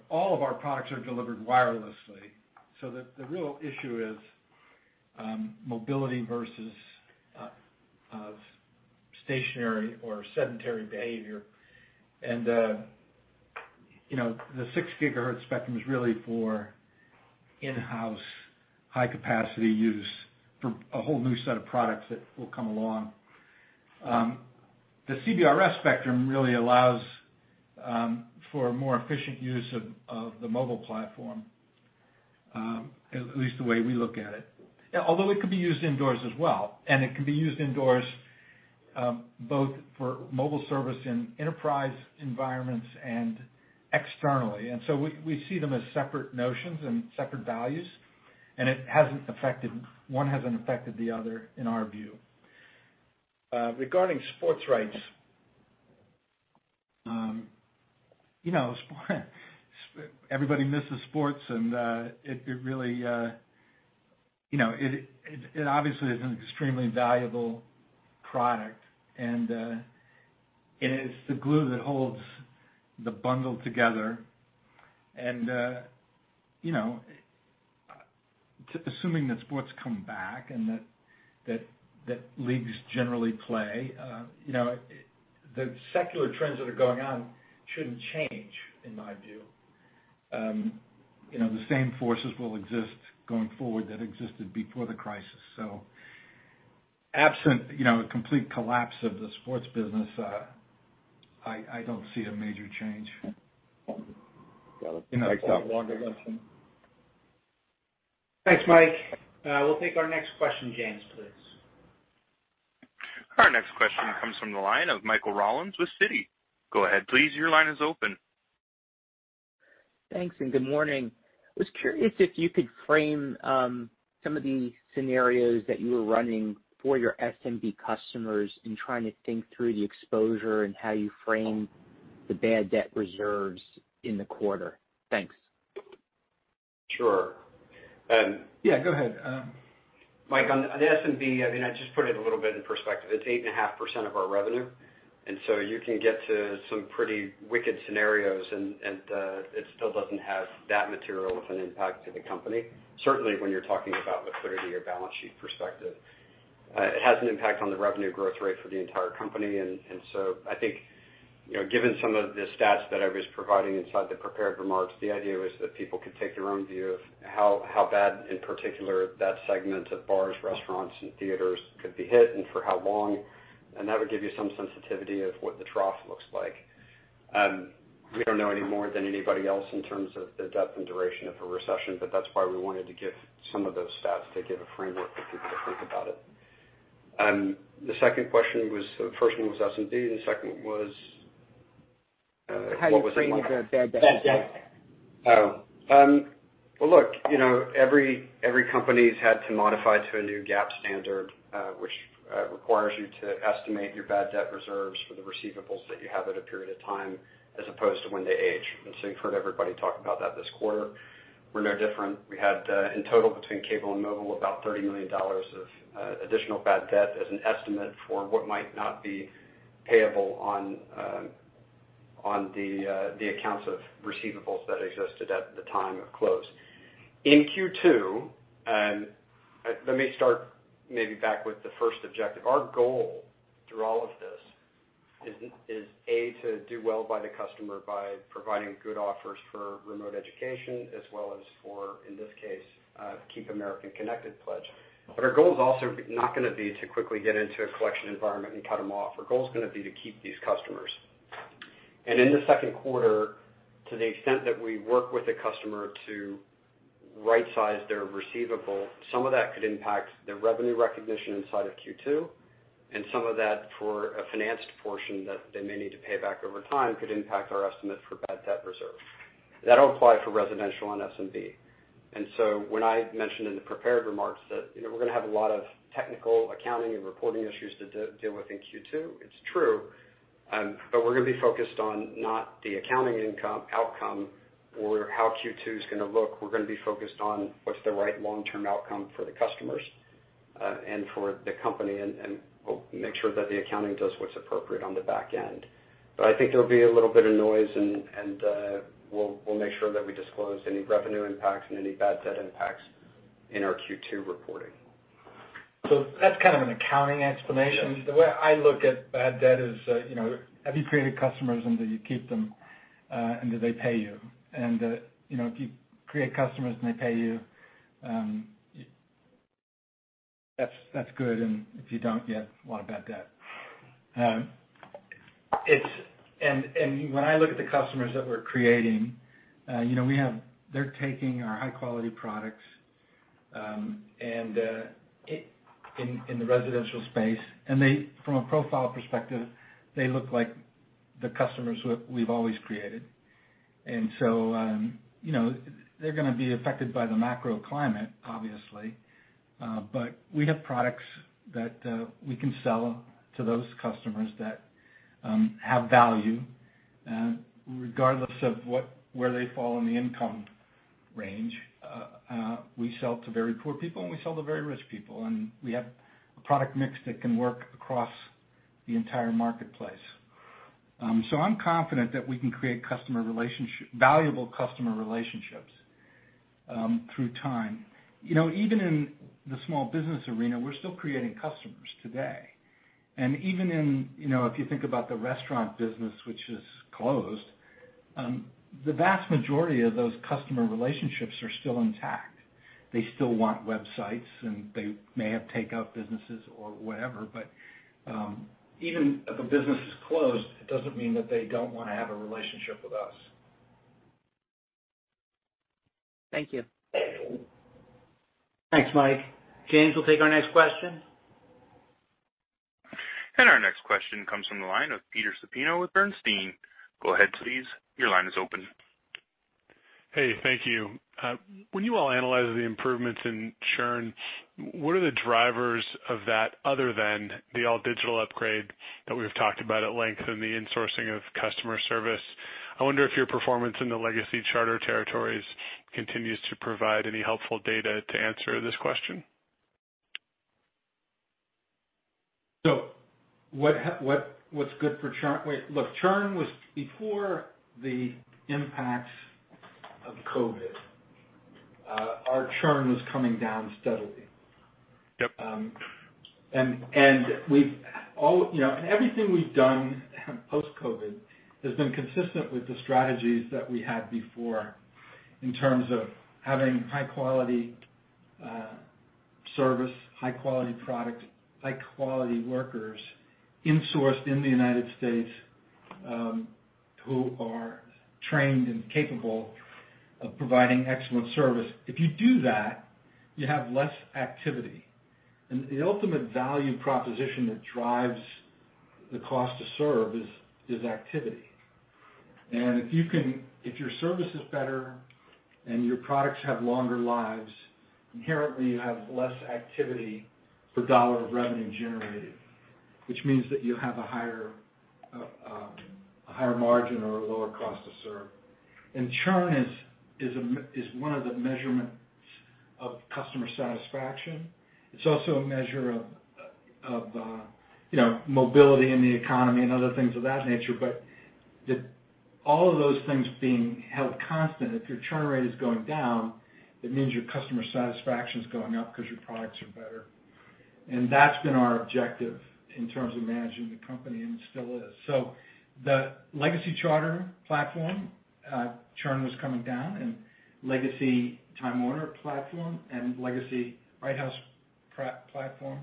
All of our products are delivered wirelessly, so the real issue is mobility versus stationary or sedentary behavior. The six gigahertz spectrum is really for in-house high capacity use for a whole new set of products that will come along. The CBRS spectrum really allows for more efficient use of the mobile platform, at least the way we look at it. Although it could be used indoors as well, and it can be used indoors both for mobile service in enterprise environments and externally. We see them as separate notions and separate values, and one hasn't affected the other in our view. Regarding sports rights, everybody misses sports, and it obviously is an extremely valuable product, and it's the glue that holds the bundle together. Assuming that sports come back and that leagues generally play, the secular trends that are going on shouldn't change, in my view. The same forces will exist going forward that existed before the crisis. Absent a complete collapse of the sports business, I don't see a major change. Thanks, Tom. Thanks, Mike. We'll take our next question, James, please. Our next question comes from the line of Michael Rollins with Citi. Go ahead, please. Your line is open. Thanks, and good morning. I was curious if you could frame some of the scenarios that you were running for your SMB customers in trying to think through the exposure and how you frame the bad debt reserves in the quarter? Thanks. Sure. Yeah, go ahead. Mike, on the SMB, I just put it a little bit in perspective. It's 8.5% of our revenue, and so you can get to some pretty wicked scenarios and it still doesn't have that material of an impact to the company, certainly when you're talking about the third of your balance sheet perspective. It has an impact on the revenue growth rate for the entire company. I think, given some of the stats that I was providing inside the prepared remarks, the idea was that people could take their own view of how bad, in particular, that segment of bars, restaurants, and theaters could be hit and for how long, and that would give you some sensitivity of what the trough looks like. We don't know any more than anybody else in terms of the depth and duration of a recession, but that's why we wanted to give some of those stats to give a framework for people to think about it. The first one was SMB. How you frame the bad debt. Bad debt. Well, look, every company's had to modify to a new GAAP standard, which requires you to estimate your bad debt reserves for the receivables that you have at a period of time as opposed to when they age. You've heard everybody talk about that this quarter. We're no different. We had, in total, between cable and mobile, about $30 million of additional bad debt as an estimate for what might not be payable on the accounts of receivables that existed at the time of close. In Q2, let me start maybe back with the first objective. Our goal through all of this is, A, to do well by the customer by providing good offers for remote education as well as for, in this case, Keep Americans Connected Pledge. Our goal is also not going to be to quickly get into a collection environment and cut them off. Our goal is going to be to keep these customers. In the Q2, to the extent that we work with a customer to right-size their receivable, some of that could impact the revenue recognition inside of Q2, and some of that, for a financed portion that they may need to pay back over time, could impact our estimate for bad debt reserve. That'll apply for residential and SMB. When I mentioned in the prepared remarks that we're going to have a lot of technical accounting and reporting issues to deal with in Q2, it's true, but we're going to be focused on not the accounting outcome or how Q2 is going to look. We're going to be focused on what's the right long-term outcome for the customers and for the company, and we'll make sure that the accounting does what's appropriate on the back end. I think there'll be a little bit of noise, and we'll make sure that we disclose any revenue impacts and any bad debt impacts in our Q2 reporting. That's kind of an accounting explanation. Yes. The way I look at bad debt is, have you created customers and do you keep them, and do they pay you? If you create customers and they pay you, that's good. If you don't, you have a lot of bad debt. When I look at the customers that we're creating, they're taking our high-quality products in the residential space, and from a profile perspective, they look like the customers who we've always created. They're going to be affected by the macro climate, obviously, but we have products that we can sell to those customers that have value regardless of where they fall in the income range. We sell to very poor people, and we sell to very rich people, and we have a product mix that can work across the entire marketplace. I'm confident that we can create valuable customer relationships through time. Even in the small business arena, we're still creating customers today. Even if you think about the restaurant business, which is closed, the vast majority of those customer relationships are still intact. They still want websites, and they may have takeout businesses or whatever, but even if a business is closed, it doesn't mean that they don't want to have a relationship with us. Thank you. Thanks, Mike. James, we'll take our next question. Our next question comes from the line of Peter Supino with Bernstein. Go ahead, please. Your line is open. Hey, thank you. When you all analyze the improvements in churn, what are the drivers of that other than the all-digital upgrade that we've talked about at length and the insourcing of customer service? I wonder if your performance in the legacy Charter territories continues to provide any helpful data to answer this question. Before the impacts of COVID, our churn was coming down steadily. Yep. Everything we've done post-COVID has been consistent with the strategies that we had before in terms of having high-quality service, high-quality product, high-quality workers insourced in the United States, who are trained and capable of providing excellent service. If you do that, you have less activity. The ultimate value proposition that drives the cost to serve is activity. If your service is better and your products have longer lives, inherently you have less activity per dollar of revenue generated, which means that you have a higher margin or a lower cost to serve. Churn is one of the measurements of customer satisfaction. It's also a measure of mobility in the economy and other things of that nature. All of those things being held constant, if your churn rate is going down, it means your customer satisfaction is going up because your products are better. That's been our objective in terms of managing the company, and it still is. The legacy Charter platform, churn was coming down, and legacy Time Warner platform and legacy Bright House platform,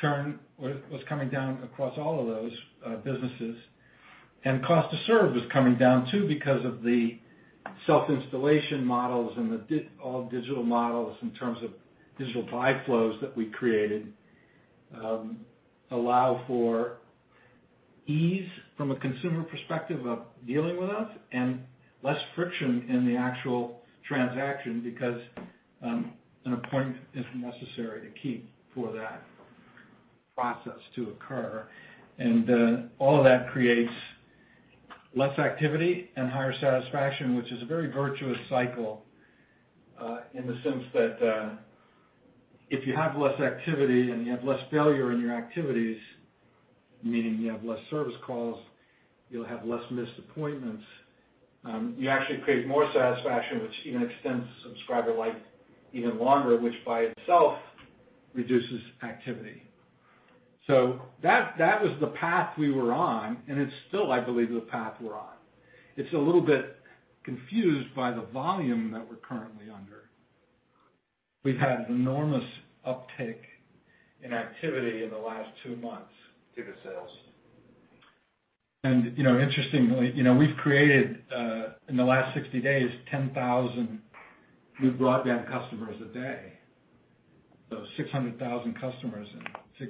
churn was coming down across all of those businesses. Cost to serve was coming down too, because of the self-installation models and all digital models in terms of digital buy flows that we created, allow for ease from a consumer perspective of dealing with us and less friction in the actual transaction because an appointment isn't necessary to keep for that process to occur. All of that creates less activity and higher satisfaction, which is a very virtuous cycle, in the sense that if you have less activity and you have less failure in your activities, meaning you have less service calls, you'll have less missed appointments. You actually create more satisfaction, which even extends subscriber life even longer, which by itself reduces activity. That was the path we were on, and it's still, I believe, the path we're on. It's a little bit confused by the volume that we're currently under. We've had enormous uptake in activity in the last two months due to sales. Interestingly, we've created, in the last 60 days, 10,000 new broadband customers a day. 600,000 customers in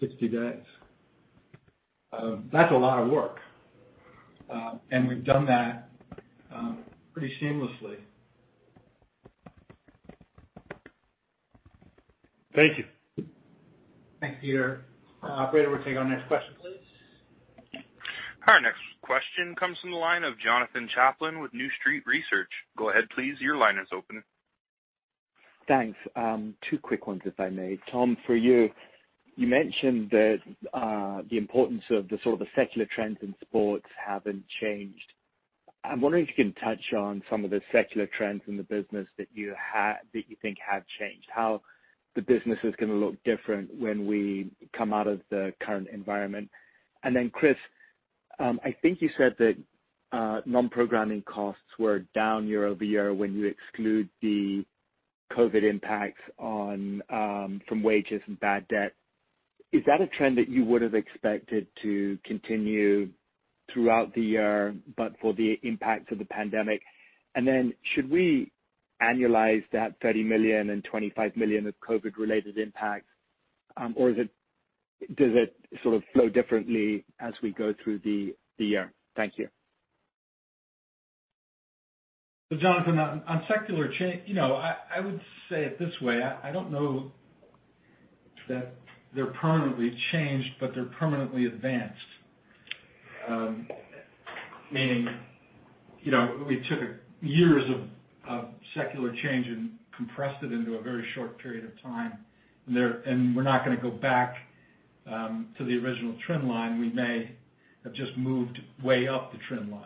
60 days. That's a lot of work. We've done that pretty seamlessly. Thank you. Thanks, Peter. Operator, we'll take our next question, please. Our next question comes from the line of Jonathan Chaplin with New Street Research. Go ahead, please. Your line is open. Thanks. Two quick ones if I may. Tom, for you mentioned that the importance of the sort of secular trends in sports haven't changed. I'm wondering if you can touch on some of the secular trends in the business that you think have changed, how the business is going to look different when we come out of the current environment. Chris, I think you said that non-programming costs were down year-over-year when you exclude the COVID impacts from wages and bad debt. Is that a trend that you would have expected to continue throughout the year, but for the impact of the pandemic? Should we annualize that $30 million and $25 million of COVID related impacts, or does it sort of flow differently as we go through the year? Thank you. Jonathan, on secular change, I would say it this way. I don't know that they're permanently changed, but they're permanently advanced. Meaning, we took years of secular change and compressed it into a very short period of time, and we're not going to go back to the original trend line. We may have just moved way up the trend line.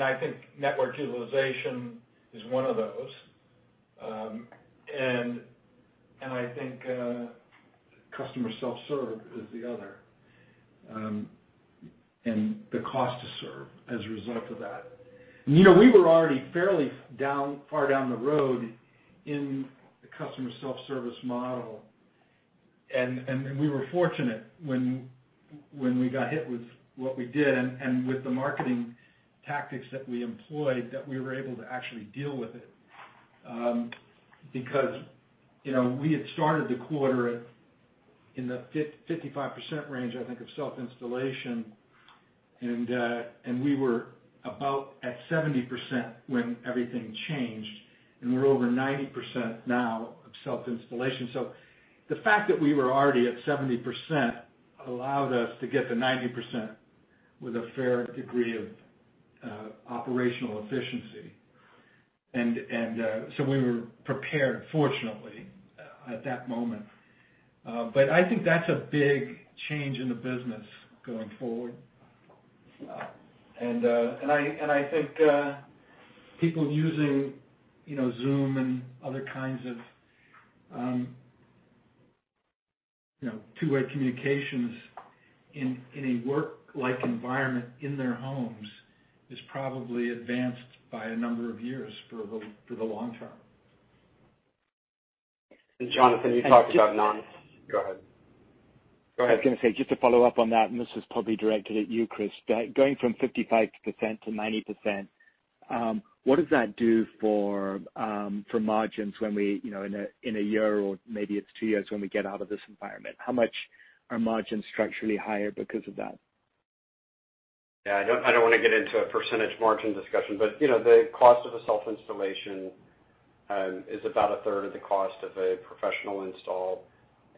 I think network utilization is one of those. I think customer self-serve is the other, and the cost to serve as a result of that. We were already fairly far down the road in the customer self-service model, and we were fortunate when we got hit with what we did and with the marketing tactics that we employed, that we were able to actually deal with it. We had started the quarter in the 55% range, I think of self-installation, and we were about at 70% when everything changed, and we're over 90% now of self-installation. The fact that we were already at 70% allowed us to get to 90% with a fair degree of operational efficiency. We were prepared, fortunately, at that moment. I think that's a big change in the business going forward. I think people using Zoom and other kinds of two-way communications in a work-like environment in their homes is probably advanced by a number of years for the long term. Jonathan, you talked about. Go ahead. I was going to say, just to follow up on that, and this is probably directed at you, Chris, but going from 55% to 90%, what does that do for margins in a year, or maybe it's two years, when we get out of this environment? How much are margins structurally higher because of that? Yeah, I don't want to get into a percentage margin discussion, but the cost of a self-installation is about a third of the cost of a professional install.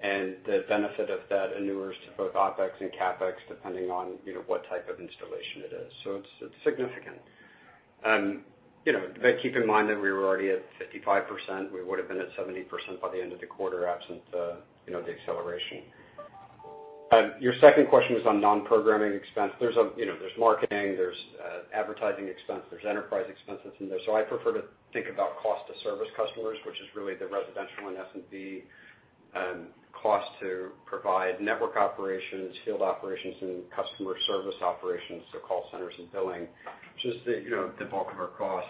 The benefit of that inures to both OpEx and CapEx, depending on what type of installation it is. It's significant. Keep in mind that we were already at 55%. We would've been at 70% by the end of the quarter, absent the acceleration. Your second question was on non-programming expense. There's marketing, there's advertising expense, there's enterprise expenses in there. I prefer to think about cost to service customers, which is really the residential and SMB cost to provide network operations, field operations, and customer service operations, so call centers and billing. Just the bulk of our cost.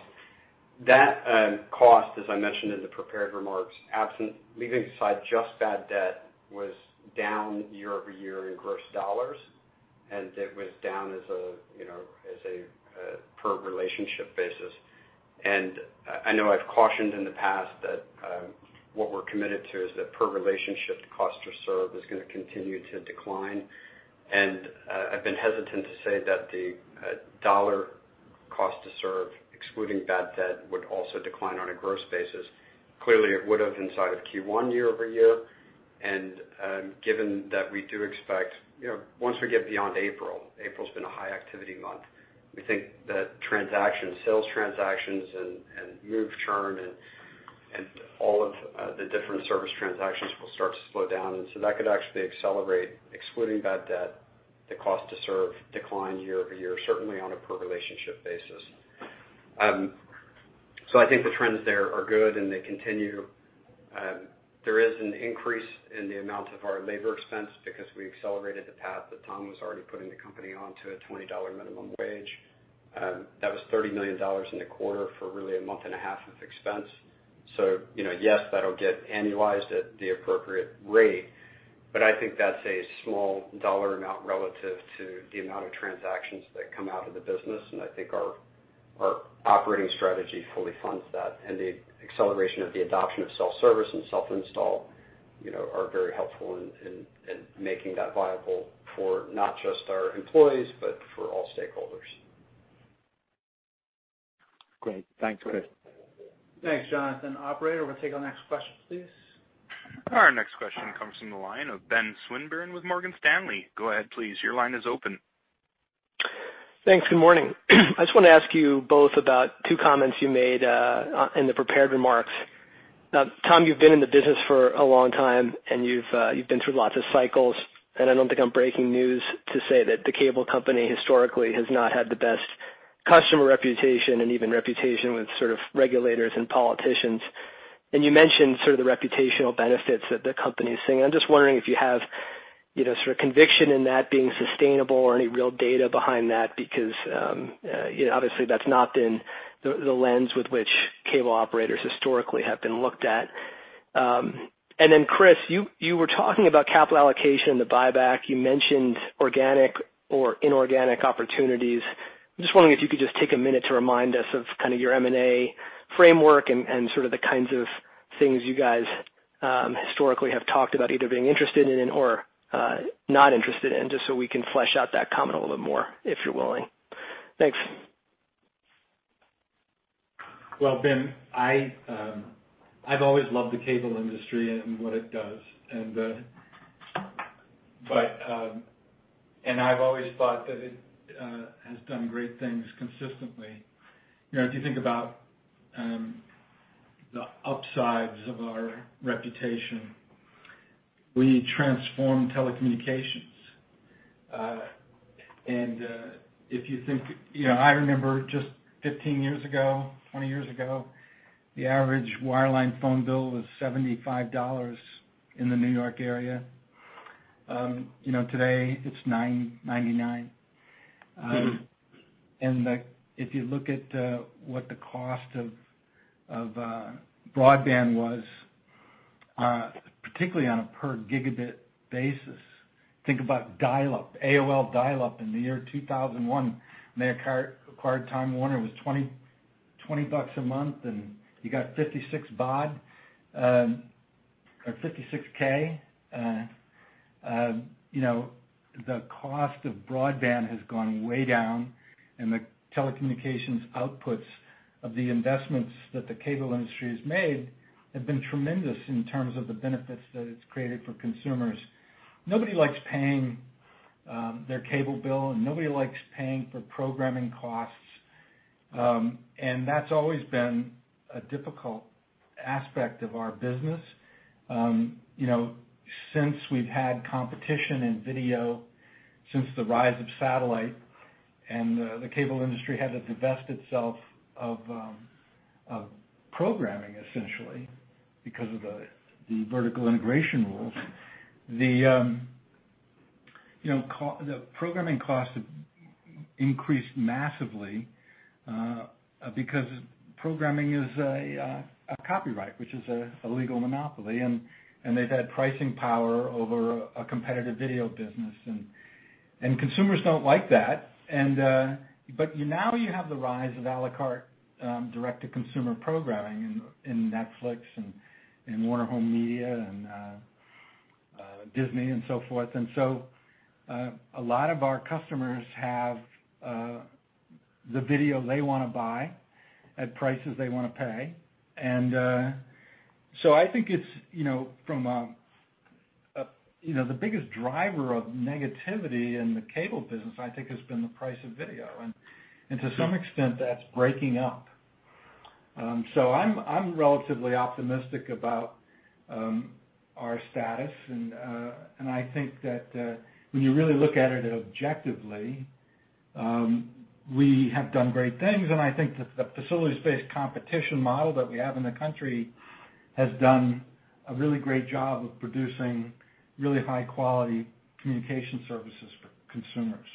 That cost, as I mentioned in the prepared remarks, absent, leaving aside just bad debt, was down year-over-year in gross dollars. It was down as a per relationship basis. I know I've cautioned in the past that what we're committed to is that per relationship cost to serve is going to continue to decline. I've been hesitant to say that the dollar cost to serve, excluding bad debt, would also decline on a gross basis. Clearly, it would've inside of Q1 year-over-year, and given that we do expect, once we get beyond April. April's been a high activity month. We think that sales transactions and move churn and all of the different service transactions will start to slow down. That could actually accelerate, excluding bad debt, the cost to serve decline year-over-year, certainly on a per relationship basis. I think the trends there are good and they continue. There is an increase in the amount of our labor expense because we accelerated the path that Tom was already putting the company on to a $20 minimum wage. That was $30 million in the quarter for really a month and a half of expense. Yes, that'll get annualized at the appropriate rate, but I think that's a small dollar amount relative to the amount of transactions that come out of the business, and I think our operating strategy fully funds that. The acceleration of the adoption of self-service and self-install are very helpful in making that viable for not just our employees, but for all stakeholders. Great. Thanks, Chris. Thanks, Jonathan. Operator, we'll take our next question please. Our next question comes from the line of Ben Swinburne with Morgan Stanley. Go ahead please. Your line is open. Thanks. Good morning. I just want to ask you both about two comments you made in the prepared remarks. Tom, you've been in the business for a long time, and you've been through lots of cycles. I don't think I'm breaking news to say that the cable company historically has not had the best customer reputation and even reputation with sort of regulators and politicians. You mentioned sort of the reputational benefits that the company is seeing. I'm just wondering if you have sort of conviction in that being sustainable or any real data behind that because, obviously, that's not been the lens with which cable operators historically have been looked at. Chris, you were talking about capital allocation, the buyback. You mentioned organic or inorganic opportunities. I'm just wondering if you could just take a minute to remind us of kind of your M&A framework and sort of the kinds of things you guys historically have talked about either being interested in or not interested in, just so we can flesh out that comment a little bit more, if you're willing. Thanks. Well, Ben, I've always loved the cable industry and what it does. I've always thought that it has done great things consistently. If you think about the upsides of our reputation, we transform telecommunications. I remember just 15 years ago, 20 years ago, the average wireline phone bill was $75 in the New York area. Today it's $9.99. If you look at what the cost of broadband was, particularly on a per gigabit basis, think about dial-up, AOL dial-up in the year 2001, when they acquired Time Warner, it was $20 a month, and you got 56 baud or 56K. The cost of broadband has gone way down, and the telecommunications outputs of the investments that the cable industry has made have been tremendous in terms of the benefits that it's created for consumers. Nobody likes paying their cable bill, and nobody likes paying for programming costs. That's always been a difficult aspect of our business. Since we've had competition in video, since the rise of satellite, and the cable industry had to divest itself of programming essentially because of the vertical integration rules, the programming costs have increased massively, because programming is a copyright, which is a legal monopoly, and they've had pricing power over a competitive video business. Consumers don't like that. Now you have the rise of a la carte direct-to-consumer programming in Netflix and WarnerMedia and Disney and so forth. A lot of our customers have the video they want to buy at prices they want to pay. I think the biggest driver of negativity in the cable business, I think, has been the price of video. To some extent, that's breaking up. I'm relatively optimistic about our status, and I think that when you really look at it objectively, we have done great things, and I think that the facilities-based competition model that we have in the country has done a really great job of producing really high-quality communication services for consumers.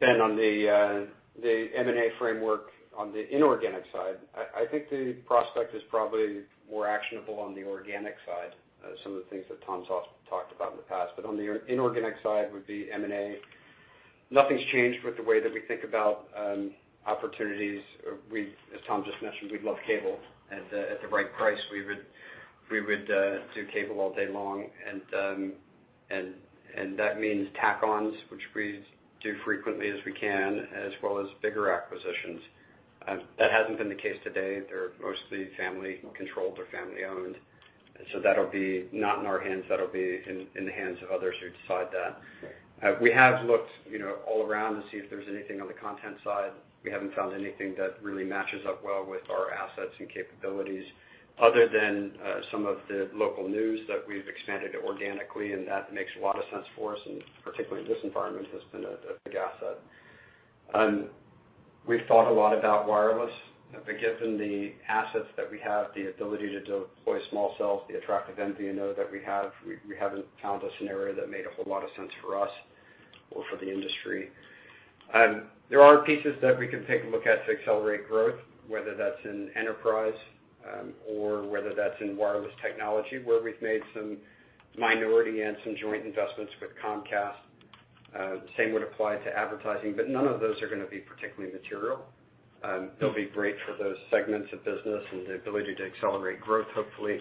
Ben, on the M&A framework on the inorganic side, I think the prospect is probably more actionable on the organic side, some of the things that Tom's talked about in the past. On the inorganic side with the M&A, nothing's changed with the way that we think about opportunities. As Tom just mentioned, we'd love cable. At the right price, we would do cable all day long. That means tack-ons, which we do frequently as we can, as well as bigger acquisitions. That hasn't been the case to date. They're mostly family-controlled or family-owned. That'll be not in our hands. That'll be in the hands of others who decide that. Right. We have looked all around to see if there's anything on the content side. We haven't found anything that really matches up well with our assets and capabilities other than some of the local Spectrum News that we've expanded organically, and that makes a lot of sense for us, and particularly in this environment, has been a big asset. We've thought a lot about wireless. Given the assets that we have, the ability to deploy small cells, the attractive MVNO that we have, we haven't found a scenario that made a whole lot of sense for us or for the industry. There are pieces that we can take a look at to accelerate growth, whether that's in enterprise, or whether that's in wireless technology, where we've made some minority and some joint investments with Comcast. The same would apply to advertising, but none of those are going to be particularly material. They'll be great for those segments of business and the ability to accelerate growth, hopefully.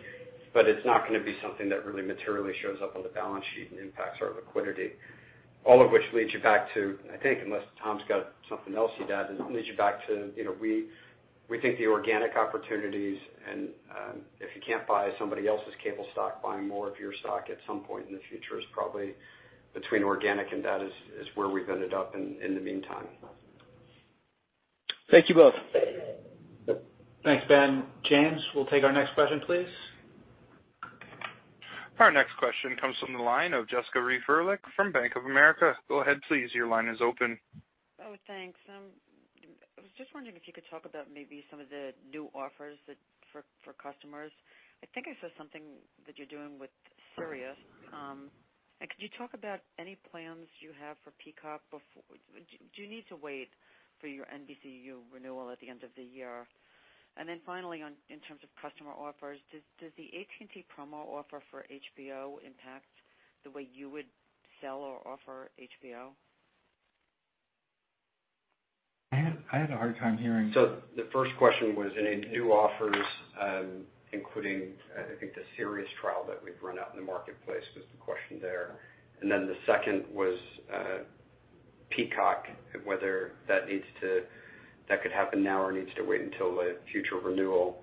It's not going to be something that really materially shows up on the balance sheet and impacts our liquidity. All of which leads you back to, I think, unless Tom's got something else he'd add, this leads you back to we think the organic opportunities, and if you can't buy somebody else's cable stock, buying more of your stock at some point in the future is probably between organic and that is where we've ended up in the meantime. Thank you both. Yep. Thanks, Ben. James, we'll take our next question, please. Our next question comes from the line of Jessica Reif Ehrlich from Bank of America. Go ahead, please. Your line is open. Oh, thanks. I was just wondering if you could talk about maybe some of the new offers for customers. I think I saw something that you're doing with SiriusXM. Could you talk about any plans you have for Peacock? Do you need to wait for your NBCUniversal renewal at the end of the year? Finally, in terms of customer offers, does the AT&T promo offer for HBO impact the way you would sell or offer HBO? I had a hard time hearing. The first question was any new offers, including, I think the SiriusXM trial that we've run out in the marketplace was the question there. The second was Peacock, whether that could happen now or needs to wait until a future renewal.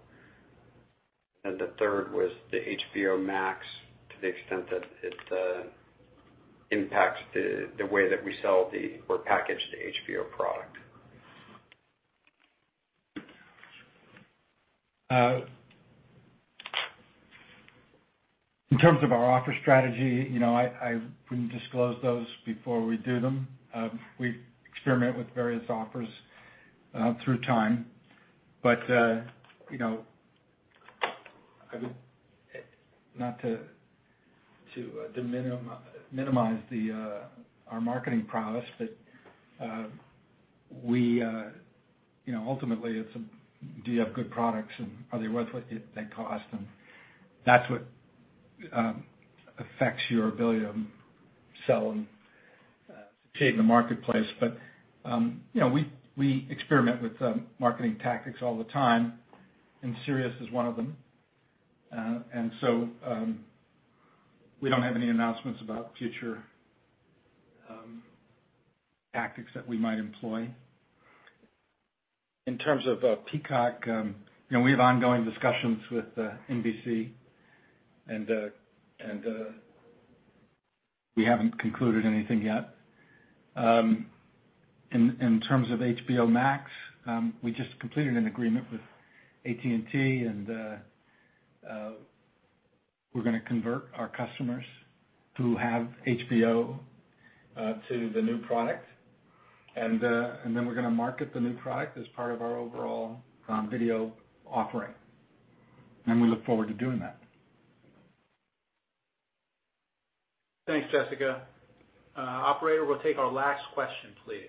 The third was the HBO Max to the extent that it impacts the way that we sell or package the HBO product. In terms of our offer strategy, I wouldn't disclose those before we do them. We experiment with various offers through time. Not to minimize our marketing prowess, but ultimately, do you have good products, and are they worth what they cost? That's what affects your ability to sell and succeed in the marketplace. We experiment with marketing tactics all the time, and SiriusXM is one of them. We don't have any announcements about future tactics that we might employ. In terms of Peacock, we have ongoing discussions with NBC, and we haven't concluded anything yet. In terms of HBO Max, we just completed an agreement with AT&T, and we're going to convert our customers who have HBO to the new product. We're going to market the new product as part of our overall video offering. We look forward to doing that. Thanks, Jessica. Operator, we'll take our last question, please.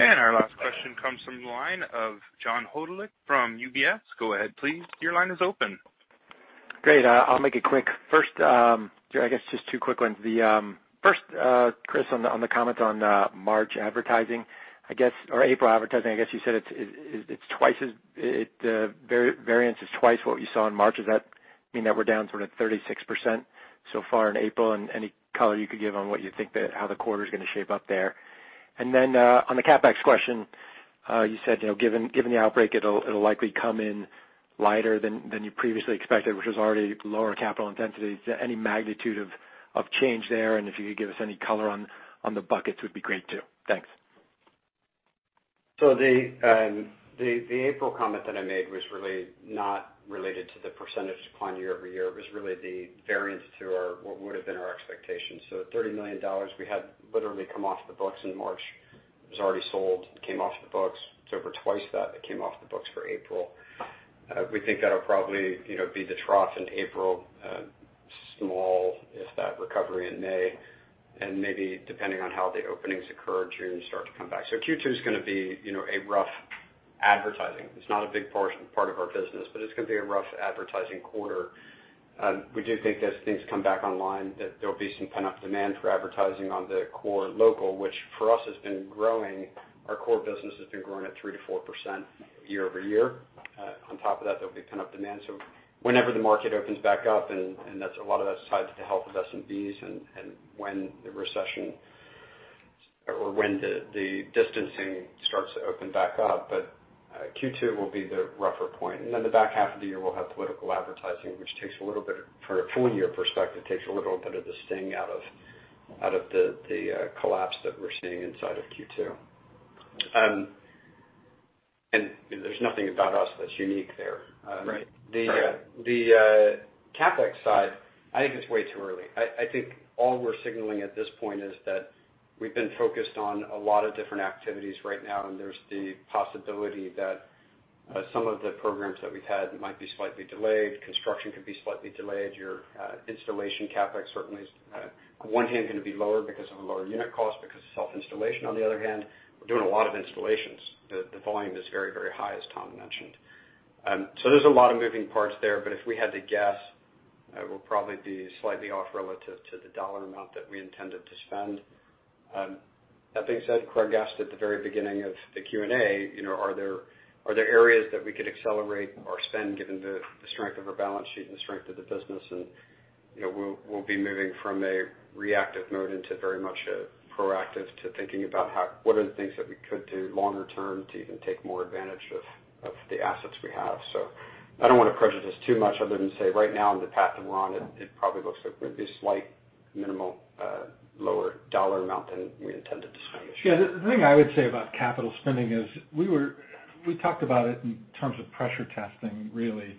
Our last question comes from the line of John Hodulik from UBS. Go ahead, please. Your line is open. Great. I'll make it quick. I guess just two quick ones. The first, Chris, on the comment on March advertising, or April advertising, you said variance is twice what you saw in March. Does that mean that we're down sort of 36% so far in April? Any color you could give on what you think how the quarter's going to shape up there? On the CapEx question, you said, given the outbreak, it'll likely come in lighter than you previously expected, which was already lower capital intensity. Any magnitude of change there? If you could give us any color on the buckets, would be great, too. Thanks. The April comment that I made was really not related to the percentage decline year-over-year. It was really the variance to what would've been our expectations. At $30 million, we had literally come off the books in March. It was already sold. It came off the books. It's over twice that it came off the books for April. We think that'll probably be the trough in April. Small, if that, recovery in May, and maybe depending on how the openings occur, June start to come back. It's not a big part of our business, but it's gonna be a rough advertising quarter. We do think that as things come back online, that there'll be some pent-up demand for advertising on the core local, which for us has been growing. Our core business has been growing at 3%-4% year-over-year. On top of that, there'll be pent-up demand. Whenever the market opens back up, and a lot of that's tied to the health of SMBs and when the recession or when the distancing starts to open back up. Q2 will be the rougher point. Then the back half of the year, we'll have political advertising, which takes a little bit, from a full year perspective, takes a little bit of the sting out of the collapse that we're seeing inside of Q2. There's nothing about us that's unique there. Right. The CapEx side, I think it's way too early. I think all we're signaling at this point is that we've been focused on a lot of different activities right now, and there's the possibility that some of the programs that we've had might be slightly delayed, construction could be slightly delayed. Your installation CapEx certainly is, on one hand going be lower because of a lower unit cost, because of self-installation. On the other hand, we're doing a lot of installations. The volume is very, very high, as Tom mentioned. There's a lot of moving parts there, but if we had to guess, it will probably be slightly off relative to the dollar amount that we intended to spend. That being said, Craig asked at the very beginning of the Q&A, are there areas that we could accelerate our spend given the strength of our balance sheet and the strength of the business? We'll be moving from a reactive mode into very much a proactive to thinking about what are the things that we could do longer term to even take more advantage of the assets we have. I don't want to prejudice too much other than say right now in the path that we're on it probably looks like there'd be slight minimal, lower dollar amount than we intended to spend this year. Yeah, the thing I would say about capital spending is we talked about it in terms of pressure testing, really.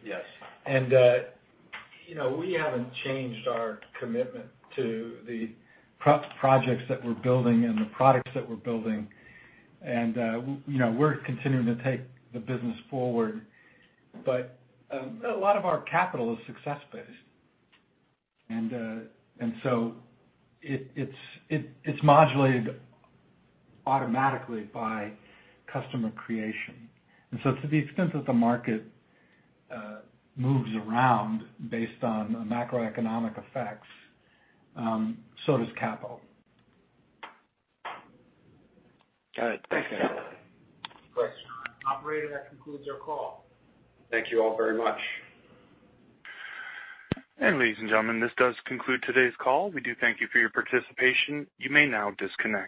We haven't changed our commitment to the projects that we're building and the products that we're building. We're continuing to take the business forward. A lot of our capital is success-based. It's modulated automatically by customer creation. To the extent that the market moves around based on macroeconomic effects, so does capital. Got it. Thanks. Great. Operator, that concludes our call. Thank you all very much. Ladies and gentlemen, this does conclude today's call. We do thank you for your participation. You may now disconnect.